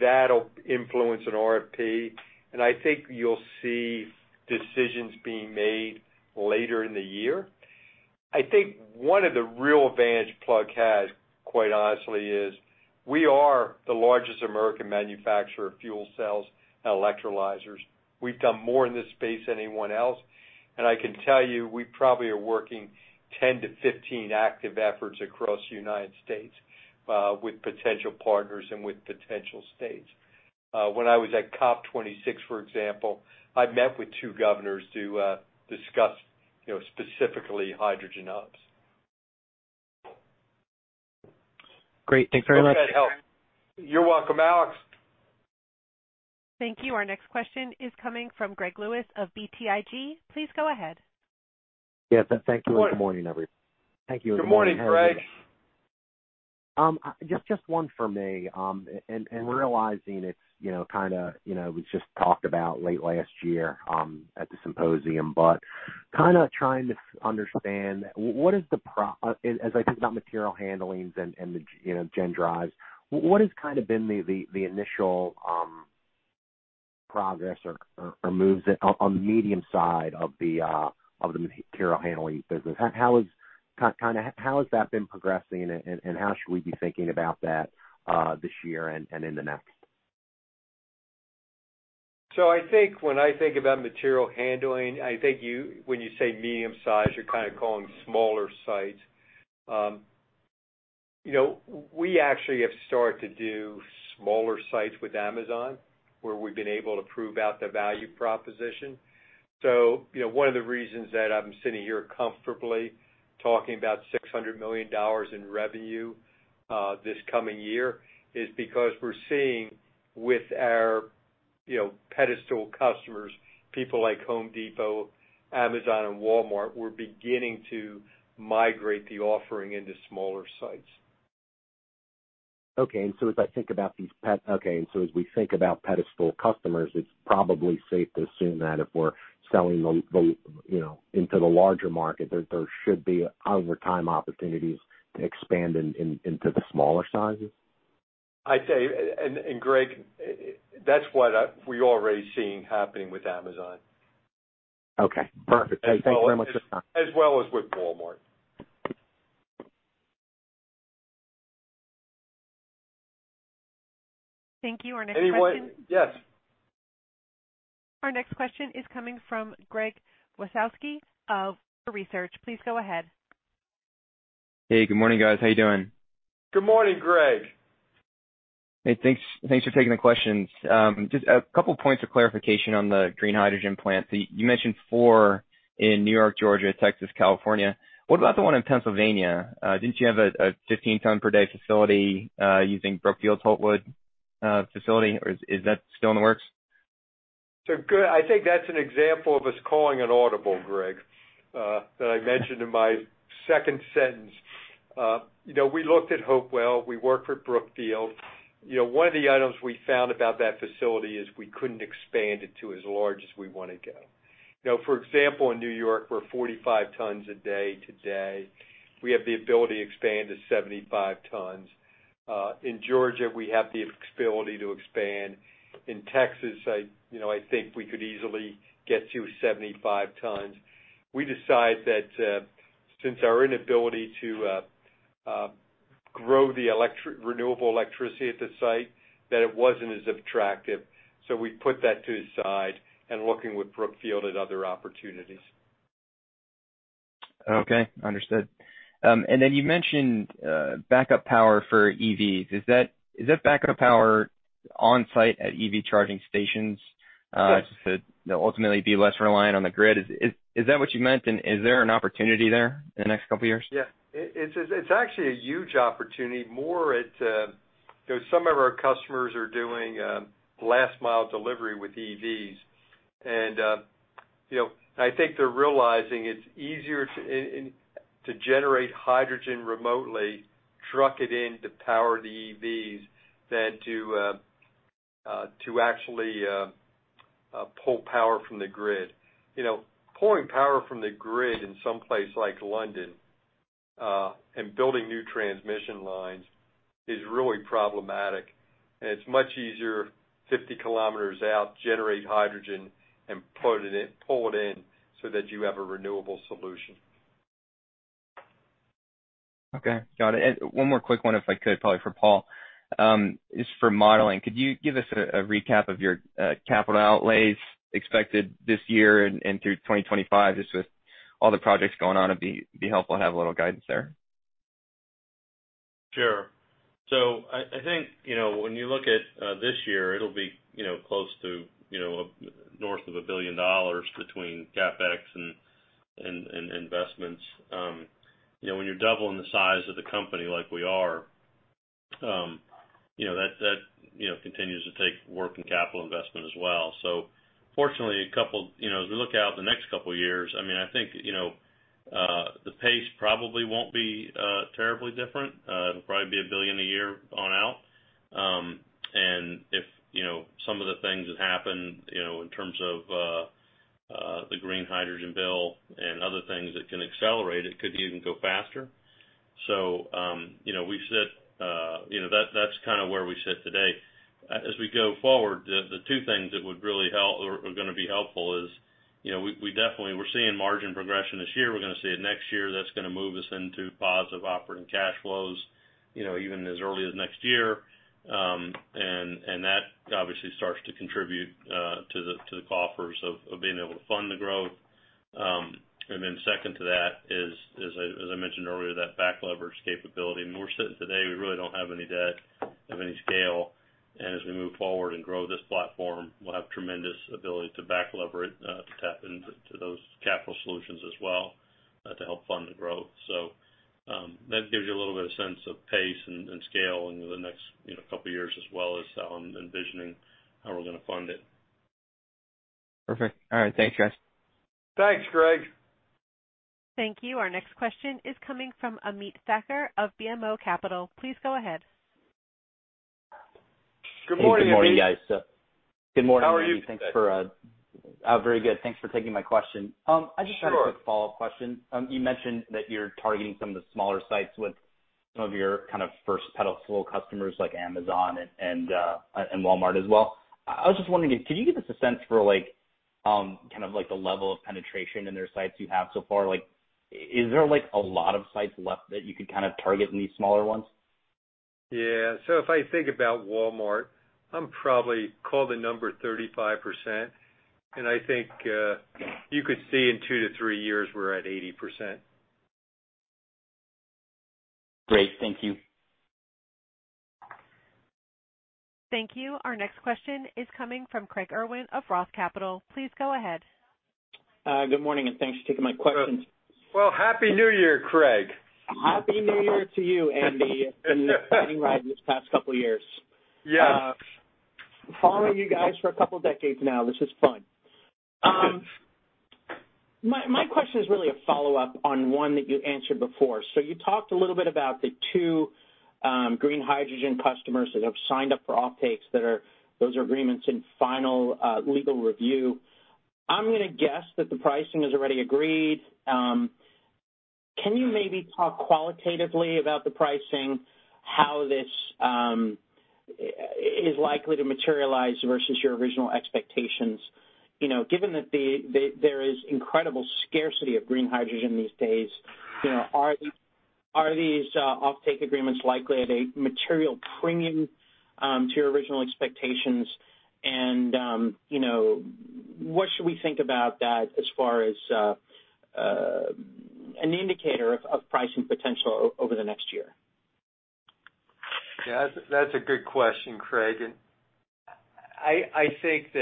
That'll influence an RFP. I think you'll see decisions being made later in the year. I think one of the real advantage Plug has, quite honestly, is we are the largest American manufacturer of fuel cells and electrolyzers. We've done more in this space than anyone else. I can tell you, we probably are working 10-15 active efforts across the U.S. with potential partners and with potential states. When I was at COP26, for example, I met with two governors to discuss, you know, specifically hydrogen hubs. Great. Thanks very much. Hope that helps. You're welcome, Alex. Thank you. Our next question is coming from Greg Lewis of BTIG. Please go ahead. Yes, thank you, and good morning. Good morning, Greg. Just one for me. Realizing it's, you know, kinda, you know, we just talked about late last year at the symposium, but kinda trying to understand as I think about material handling and the, you know, GenDrives, what has kind of been the initial progress or moves on the medium side of the material handling business? How has that been progressing, and how should we be thinking about that this year and in the next? I think when I think about material handling, when you say medium-sized, you're kinda calling smaller sites. You know, we actually have started to do smaller sites with Amazon, where we've been able to prove out the value proposition. You know, one of the reasons that I'm sitting here comfortably talking about $600 million in revenue this coming year is because we're seeing with our, you know, pedestal customers, people like Home Depot, Amazon, and Walmart, we're beginning to migrate the offering into smaller sites. Okay, as we think about pedestal customers, it's probably safe to assume that if we're selling the, you know, into the larger market, there should be over time opportunities to expand into the smaller sizes? I'd say, and Greg, that's what we're already seeing happening with Amazon. Okay, perfect. As well as with- Thanks very much for your time. As well as with Walmart. Thank you. Our next question. Anyone? Yes. Our next question is coming from Gerry Sweeney of Roth. Please go ahead. Hey, good morning, guys. How you doing? Good morning, Greg. Hey, thanks. Thanks for taking the questions. Just a couple points of clarification on the green hydrogen plant. You mentioned four in New York, Georgia, Texas, California. What about the one in Pennsylvania? Didn't you have a 15-ton-per-day facility using Brookfield Hopewell facility? Is that still in the works? Greg, I think that's an example of us calling an audible, Greg, that I mentioned in my second sentence. You know, we looked at Hopewell, we worked with Brookfield. You know, one of the items we found about that facility is we couldn't expand it to as large as we wanna go. You know, for example, in New York, we're 45 tons a day today. We have the ability to expand to 75 tons. In Georgia, we have the ability to expand. In Texas, I, you know, I think we could easily get to 75 tons. We decided that, since our inability to grow the renewable electricity at the site, that it wasn't as attractive. We put that to the side and looking with Brookfield at other opportunities. Okay, understood. You mentioned backup power for EVs. Is that backup power on-site at EV charging stations? Yes. To ultimately be less reliant on the grid. Is that what you meant? Is there an opportunity there in the next couple of years? Yeah. It's actually a huge opportunity. You know, some of our customers are doing last mile delivery with EVs. You know, I think they're realizing it's easier to generate hydrogen remotely, truck it in to power the EVs than to actually pull power from the grid. You know, pulling power from the grid in some place like London and building new transmission lines is really problematic. It's much easier 50 km out to generate hydrogen and pull it in so that you have a renewable solution. Okay, got it. 1 more quick one, if I could, probably for Paul, is for modeling. Could you give us a recap of your capital outlays expected this year and through 2025? Just with all the projects going on, it'd be helpful to have a little guidance there. Sure. I think, you know, when you look at this year, it'll be, you know, close to, you know, north of $1 billion between CapEx and investments. You know, when you're doubling the size of the company like we are, you know, that continues to take work and capital investment as well. Fortunately, as we look out the next couple of years, I mean, I think, you know, the pace probably won't be terribly different. It'll probably be $1 billion a year on out. If, you know, some of the things that happen, you know, in terms of the green hydrogen bill and other things that can accelerate it, could even go faster. you know, we sit, you know, that's kind where we sit today. As we go forward, the 2 things that would really help or going to be helpful is, you know, we definitely we're seeing margin progression this year. We're going to see it next year. That's going to move us into positive operating cash flows, you know, even as early as next year. obviously starts to contribute to the coffers of being able to fund the growth. Then second to that is, as I mentioned earlier, that back leverage capability. We're sitting today. We really don't have any debt of any scale. As we move forward and grow this platform, we'll have tremendous ability to back lever it to tap into those capital solutions as well to help fund the growth. That gives you a little bit of sense of pace and scale in the next, you know, couple of years, as well as how I'm envisioning how we're going to fund it. Perfect. All right. Thanks, guys. Thanks, Greg. Thank you. Our next question is coming from Ameet Thakkar of BMO Capital. Please go ahead. Good morning, Ameet. Good morning, guys. Good morning, Andy. How are you today? Oh, very good. Thanks for taking my question. Sure. I just had a quick follow-up question. You mentioned that you're targeting some of the smaller sites with some of your kind of first pedestal customers like Amazon and Walmart as well. I was just wondering, can you give us a sense for like kind of like the level of penetration in their sites you have so far? Like, is there like a lot of sites left that you could kind of target in these smaller ones? If I think about Walmart, I'm probably calling the number 35%. I think you could see in 2-3 years we're at 80%. Great. Thank you. Thank you. Our next question is coming from Craig Irwin of Roth Capital. Please go ahead. Good morning, and thanks for taking my question. Well, happy New Year, Craig. Happy New Year to you, Andy. It's been a rocky ride these past couple of years. Yeah. Following you guys for a couple decades now. This is fun. My question is really a follow-up on one that you answered before. You talked a little bit about the two green hydrogen customers that have signed up for offtakes. Those are agreements in final legal review. I'm going toguess that the pricing is already agreed. Can you maybe talk qualitatively about the pricing, how this is likely to materialize versus your original expectations? You know, given that there is incredible scarcity of green hydrogen these days, you know, are these offtake agreements likely at a material premium to your original expectations? You know, what should we think about that as far as an indicator of pricing potential over the next year? Yeah, that's a good question, Craig. I think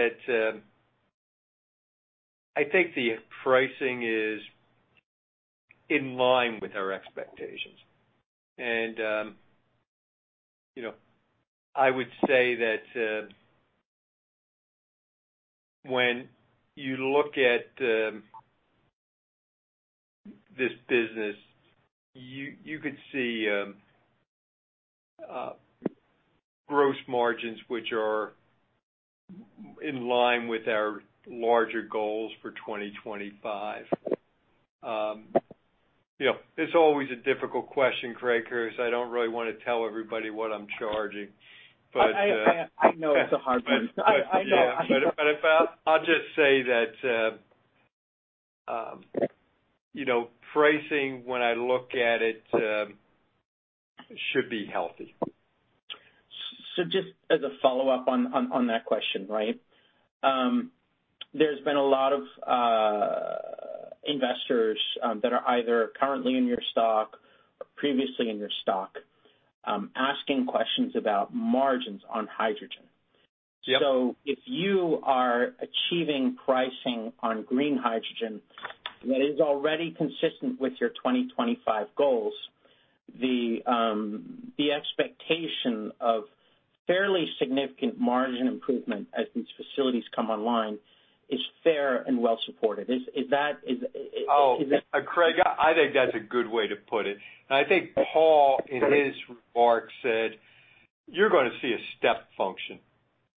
the pricing is in line with our expectations. You know, I would say that when you look at this business, you could see gross margins which are in line with our larger goals for 2025. You know, it's always a difficult question, Craig, 'cause I don't really wanna tell everybody what I'm charging, but I know it's a hard one. I know. I'll just say that, you know, pricing when I look at it should be healthy. Just as a follow-up on that question, right? There's been a lot of investors that are either currently in your stock or previously in your stock asking questions about margins on hydrogen. Yep. If you are achieving pricing on green hydrogen that is already consistent with your 2025 goals, the expectation of fairly significant margin improvement as these facilities come online is fair and well supported. Is it- Oh, Craig, I think that's a good way to put it. I think Paul in his remarks said, "You're going to see a step function."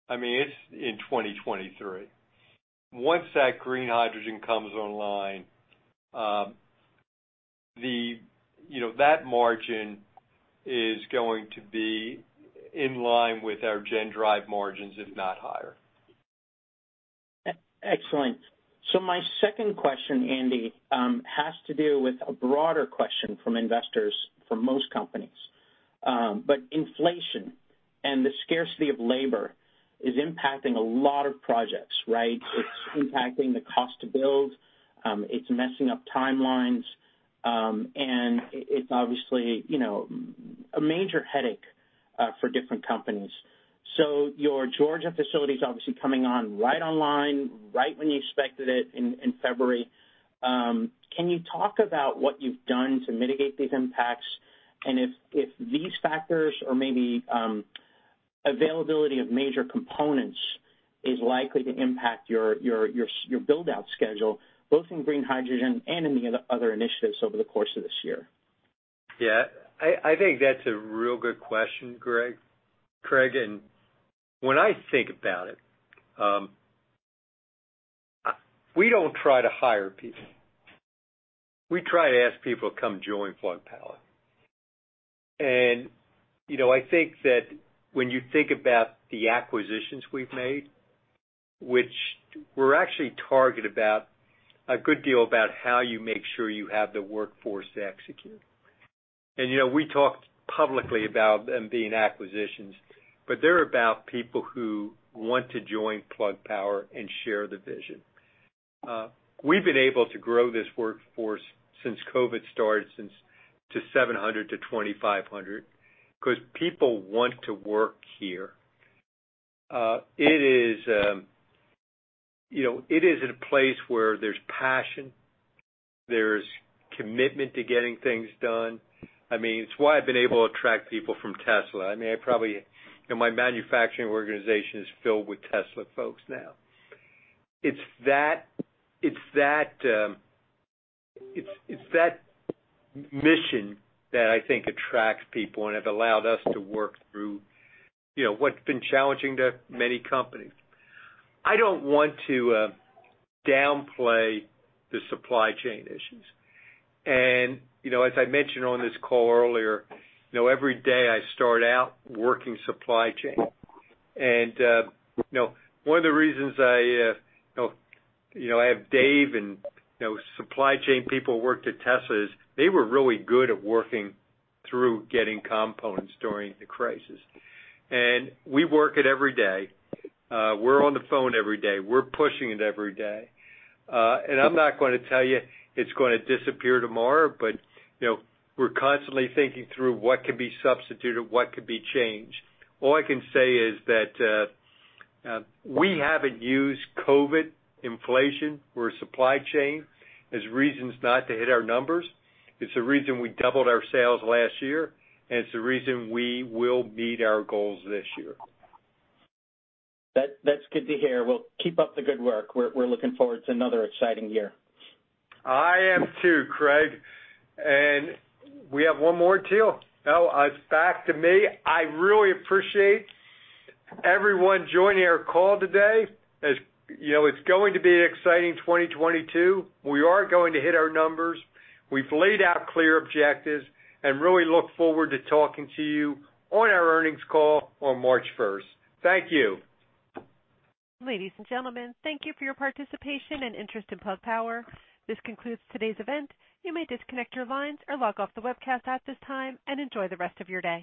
I mean it's in 2023. Once that green hydrogen comes online, you know, that margin is going to be in line with our GenDrive margins, if not higher. Excellent. My second question, Andy, has to do with a broader question from investors for most companies, but inflation and the scarcity of labor is impacting a lot of projects, right? It's impacting the cost to build, it's messing up timelines, and it's obviously, you know, a major headache for different companies. Your Georgia facility is obviously coming online right when you expected it in February. Can you talk about what you've done to mitigate these impacts, and if these factors or maybe availability of major components is likely to impact your build out schedule, both in green hydrogen and in the other initiatives over the course of this year? Yeah. I think that's a real good question, Craig. When I think about it, we don't try to hire people. We try to ask people to come join Plug Power. You know, I think that when you think about the acquisitions we've made, which we're actually talking about a good deal about how you make sure you have the workforce to execute. You know, we talked publicly about them being acquisitions, but they're about people who want to join Plug Power and share the vision. We've been able to grow this workforce since COVID started, from 700 to 2,500, 'cause people want to work here. It is a place where there's passion, there's commitment to getting things done. I mean, it's why I've been able to attract people from Tesla. I mean, I probably. You know, my manufacturing organization is filled with Tesla folks now. It's that mission that I think attracts people and have allowed us to work through, you know, what's been challenging to many companies. I don't want to downplay the supply chain issues. You know, as I mentioned on this call earlier, you know, every day I start out working supply chain. You know, I have Dave and, you know, supply chain people who worked at Tesla. They were really good at working through getting components during the crisis. We work it every day. We're on the phone every day. We're pushing it every day. I'm not going to tell you it's going to disappear tomorrow, but, you know, we're constantly thinking through what could be substituted, what could be changed. All I can say is that, we haven't used COVID inflation or supply chain as reasons not to hit our numbers. It's the reason we doubled our sales last year, and it's the reason we will meet our goals this year. That's good to hear. Well, keep up the good work. We're looking forward to another exciting year. I am too, Craig. We have one more too. Now, it's back to me. I really appreciate everyone joining our call today. As you know, it's going to be an exciting 2022. We are going to hit our numbers. We've laid out clear objectives and really look forward to talking to you on our earnings call on March first. Thank you. Ladies and gentlemen, thank you for your participation and interest in Plug Power. This concludes today's event. You may disconnect your lines or log off the webcast at this time, and enjoy the rest of your day.